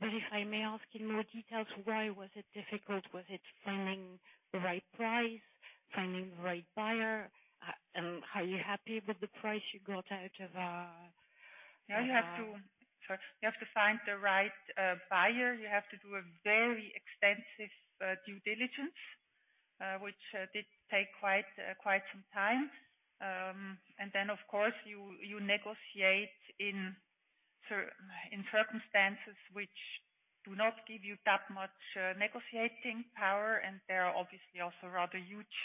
If I may ask in more details, why was it difficult? Was it finding the right price, finding the right buyer? And are you happy with the price you got out of? Yeah, you have to, you have to find the right buyer. You have to do a very extensive due diligence, which did take quite some time. Then of course, you negotiate in circumstances which do not give you that much negotiating power, and there are obviously also rather huge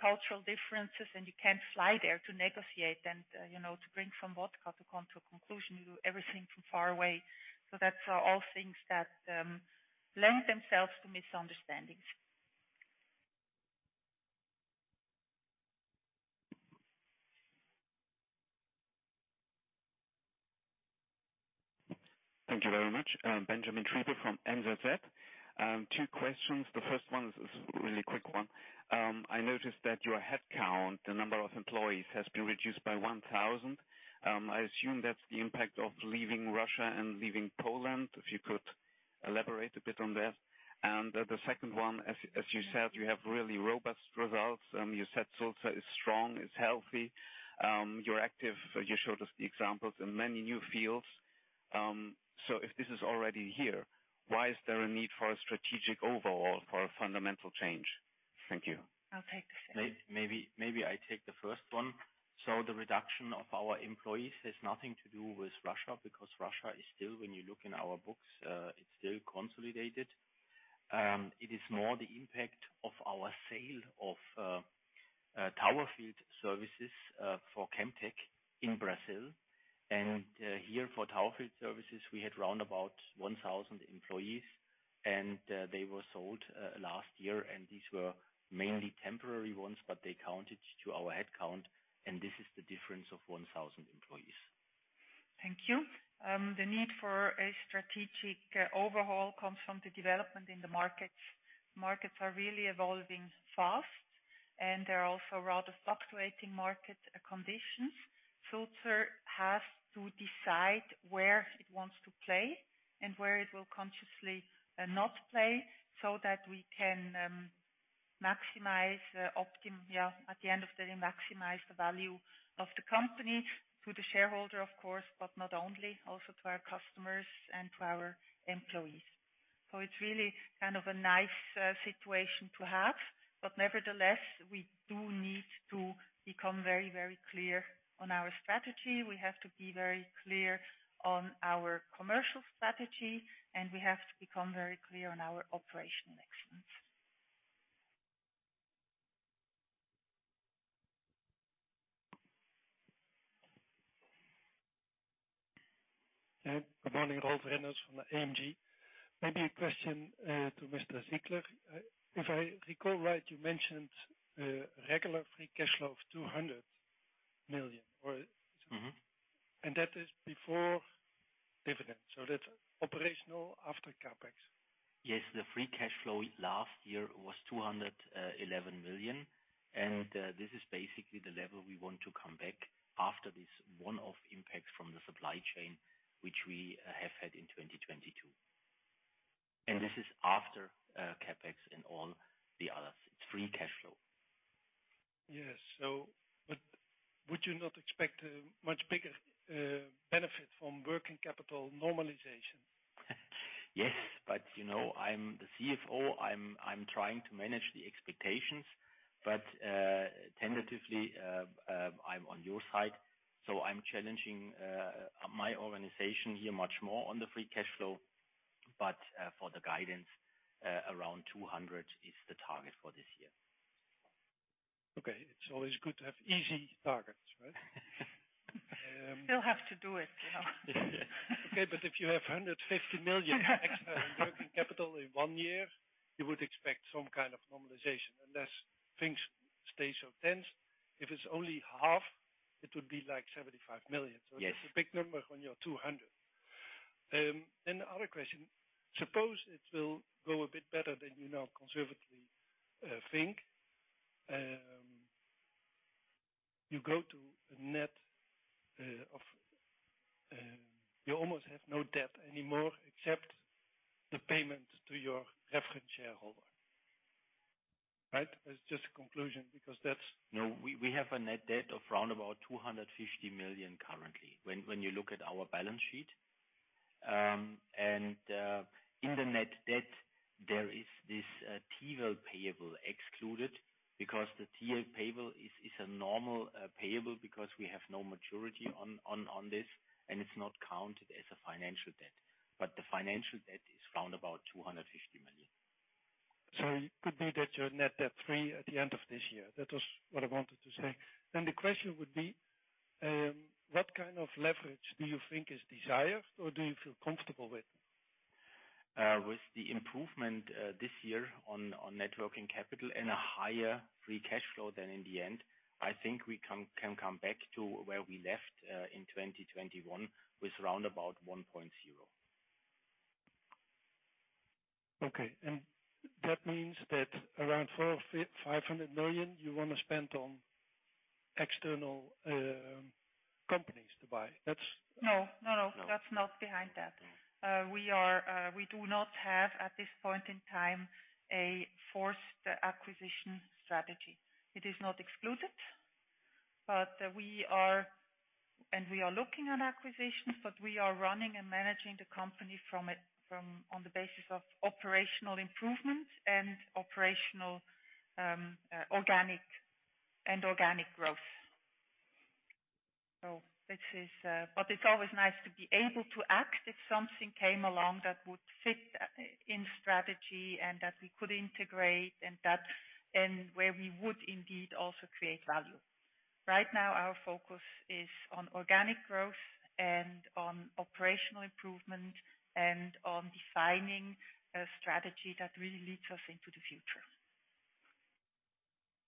cultural differences, and you can't fly there to negotiate and, you know, to drink some vodka to come to a conclusion. You do everything from far away. That's all things that lend themselves to misunderstandings. Thank you very much. Benjamin Triebe from NZZ. Two questions. The first one is really quick one. I noticed that your headcount, the number of employees, has been reduced by 1,000. I assume that's the impact of leaving Russia and leaving Poland, if you could elaborate a bit on that. The second one, as you said, you have really robust results. You said Sulzer is strong, is healthy. You're active. You showed us the examples in many new fields. If this is already here, why is there a need for a strategic overhaul, for a fundamental change? Thank you. I'll take the second. Maybe, maybe I take the first one. The reduction of our employees has nothing to do with Russia, because Russia is still, when you look in our books, it's still consolidated. It is more the impact of our sale of Tower Field Services for Chemtech in Brazil. Here for Tower Field Services, we had round about 1,000 employees and they were sold last year. These were mainly temporary ones, but they counted to our headcount, and this is the difference of 1,000 employees. Thank you. The need for a strategic overhaul comes from the development in the markets. Markets are really evolving fast, and there are also rather fluctuating market conditions. Sulzer has to decide where it wants to play and where it will consciously not play so that we can maximize Yeah, at the end of the day, maximize the value of the company to the shareholder, of course, but not only, also to our customers and to our employees. It's really kind of a nice situation to have. Nevertheless, we do need to become very, very clear on our strategy. We have to be very clear on our commercial strategy. We have to become very clear on our operational excellence. Good morning, Rolf Renders from AMG. Maybe a question to Mr. Zickler. If I recall right, you mentioned regular free cash flow of 200 million? Yes. That is before dividends, so that's operational after CapEx? Yes. The free cash flow last year was 211 million. This is basically the level we want to come back after this one-off impact from the supply chain, which we have had in 2022. This is after CapEx and all the others. It's free cash flow. Would you not expect a much bigger benefit from working capital normalization? Yes, but you know, I'm the CFO. I'm trying to manage the expectations. Tentatively, I'm on your side, so I'm challenging my organization here much more on the free cash flow. For the guidance, around 200 is the target for this year. Okay. It's always good to have easy targets, right? Still have to do it, you know. Okay, if you have 150 million extra working capital in one year, you would expect some kind of normalization. Unless things stay so tense. If it's only half, it would be like 75 million. Yes. It's a big number when you're 200 million. The other question. Suppose it will go a bit better than you now conservatively think. You go to a net of. You almost have no debt anymore, except the payment to your reference shareholder. Right? That's just a conclusion, because that's. We have a net debt of around 250 million currently, when you look at our balance sheet. In the net debt, there is this Tiwel payable excluded because the Tiwel payable is a normal payable because we have no maturity on this, it's not counted as a financial debt. The financial debt is around 250 million. It could be that you're net debt free at the end of this year. That was what I wanted to say. The question would be, what kind of leverage do you think is desired or do you feel comfortable with? With the improvement, this year on net working capital and a higher free cash flow than in the end, I think we can come back to where we left, in 2021 with around about 1.0 times. Okay. That means that around 400 million-500 million, you wanna spend on external companies to buy. No, no. That's not behind that. We do not have, at this point in time, a forced acquisition strategy. It is not excluded, but we are. We are looking at acquisitions, but we are running and managing the company from a on the basis of operational improvement and operational organic, and organic growth. This is. It's always nice to be able to act if something came along that would fit in strategy and that we could integrate and that, and where we would indeed also create value. Right now, our focus is on organic growth and on operational improvement and on defining a strategy that really leads us into the future.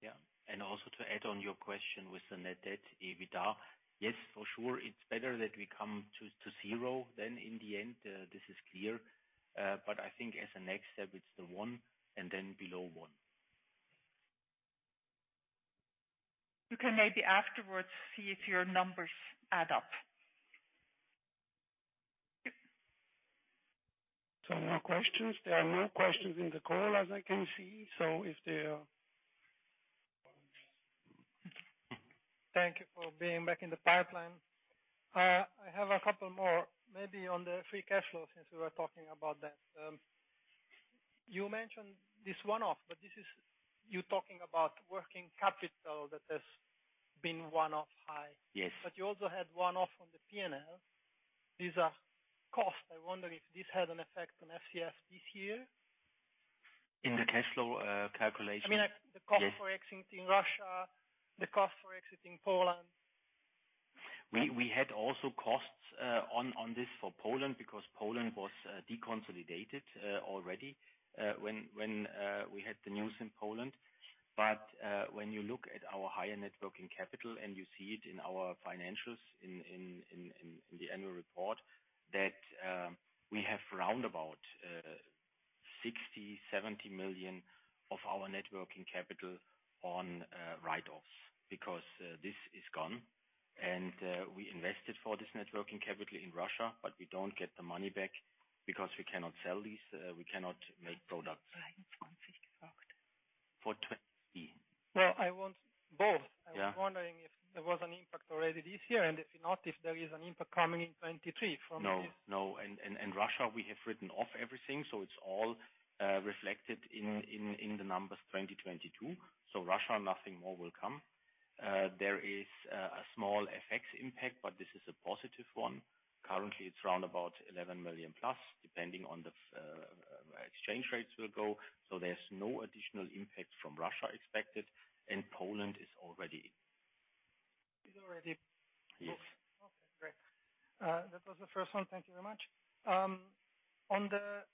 Yeah. Also to add on your question with the net debt to EBITDA. Yes, for sure, it's better that we come to zero than in the end, this is clear. I think as a next step, it's the one and then below one. You can maybe afterwards see if your numbers add up. Yep. More questions. There are more questions in the call, as I can see. If there. Thank you for being back in the pipeline. I have a couple more, maybe on the free cash flow, since we were talking about that. You mentioned this one-off, but this is you talking about working capital that has been one-off high. Yes. You also had one-off on the P&L. These are costs. I wonder if this had an effect on FCF this year. In the cash flow, calculation- I mean the cost for exiting Russia, the cost for exiting Poland. We had also costs on this for Poland because Poland was deconsolidated already when we had the news in Poland. When you look at our higher net working capital, and you see it in our financials in the annual report, that we have around about 60 million-70 million of our net working capital on write-offs because this is gone. We invested for this net working capital in Russia, but we don't get the money back because we cannot sell these. We cannot make products for 2023. Well, I want both. I was wondering if there was an impact already this year, and if not, if there is an impact coming in 2023 for me. No, no. In Russia, we have written off everything, so it's all reflected in the numbers 2022. Russia, nothing more will come. There is a small FX impact, but this is a positive one. Currently, it's around about 11 million+, depending on where exchange rates will go. There's no additional impact from Russia expected, and Poland is already... It's already booked? Yes. Okay, great. That was the first one. Thank you very much. On the,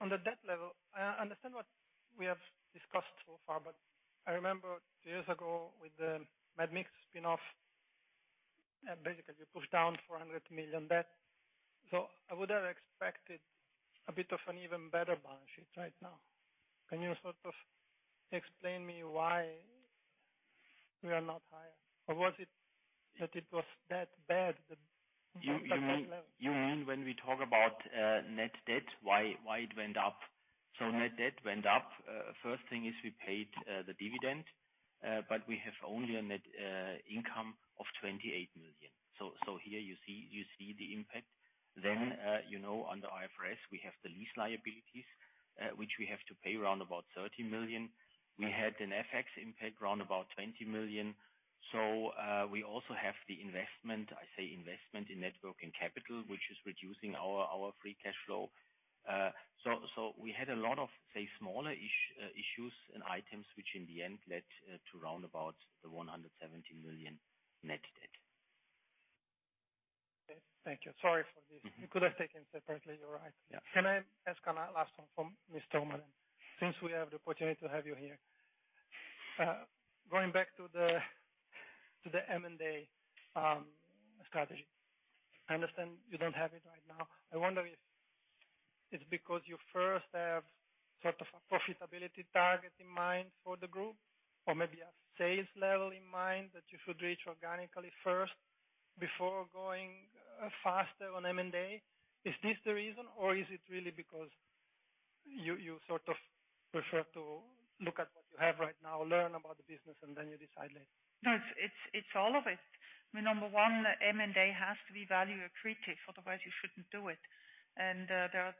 on the debt level, I understand what we have discussed so far, but I remember years ago with the Medmix spin-off, basically you pushed down 400 million debt. I would have expected a bit of an even better balance sheet right now. Can you sort of explain me why we are not higher? Was it that it was that bad? You mean when we talk about net debt, why it went up? Yes. Net debt went up. First thing is we paid the dividend, but we have only a net income of 28 million. Here you see the impact. You know, under IFRS, we have the lease liabilities, which we have to pay around about 30 million. We had an FX impact around about 20 million. We also have the investment, I say investment in network and capital, which is reducing our free cash flow. We had a lot of, say, smaller issues and items which in the end led to round about the 170 million net debt. Okay. Thank you. Sorry for this. We could have taken separately, you're right. Yeah. Can I ask a last one from Ms. Thoma, since we have the opportunity to have you here? going back to the M&A strategy. I understand you don't have it right now. I wonder if it's because you first have sort of a profitability target in mind for the group or maybe a sales level in mind that you should reach organically first before going faster on M&A. Is this the reason, or is it really because you sort of prefer to look at what you have right now, learn about the business, and then you decide later? No, it's all of it. I mean, number one, M&A has to be value accretive, otherwise you shouldn't do it. There are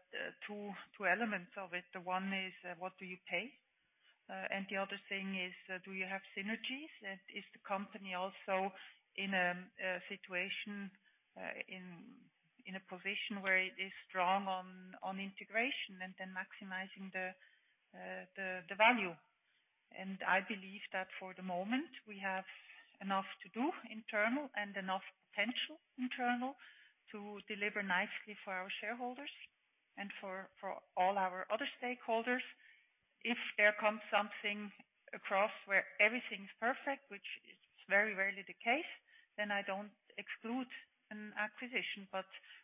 two elements of it. The one is what do you pay? The other thing is do you have synergies? Is the company also in a situation in a position where it is strong on integration and then maximizing the value. I believe that for the moment, we have enough to do internal and enough potential internal to deliver nicely for our shareholders and for all our other stakeholders. If there comes something across where everything's perfect, which is very rarely the case, then I don't exclude an acquisition.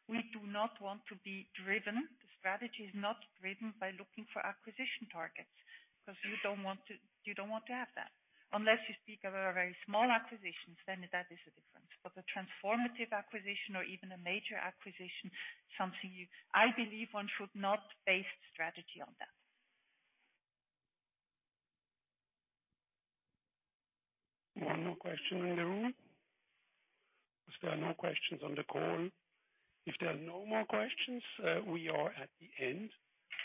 We do not want to be driven. The strategy is not driven by looking for acquisition targets, because you don't want to have that. Unless you speak of a very small acquisitions, then that is the difference. A transformative acquisition or even a major acquisition, I believe one should not base strategy on that. No more question in the room. If there are no questions on the call. If there are no more questions, we are at the end.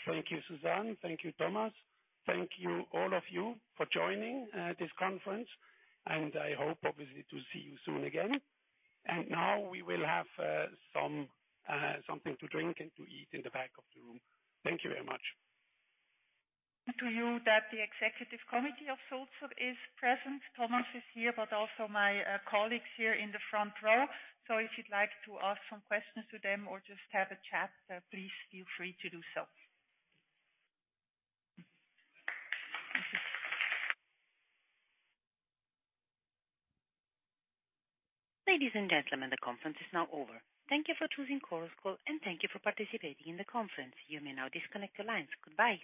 Thank you, Suzanne. Thank you, Thomas. Thank you, all of you, for joining, this conference, and I hope obviously to see you soon again. Now we will have something to drink and to eat in the back of the room. Thank you very much. [crosstalk] that the Executive Committee of Sulzer is present. Thomas is here, also my colleagues here in the front row. If you'd like to ask some questions to them or just have a chat, please feel free to do so. Ladies and gentlemen, the conference is now over. Thank you for choosing Chorus Call, and thank you for participating in the conference. You may now disconnect your lines. Goodbye.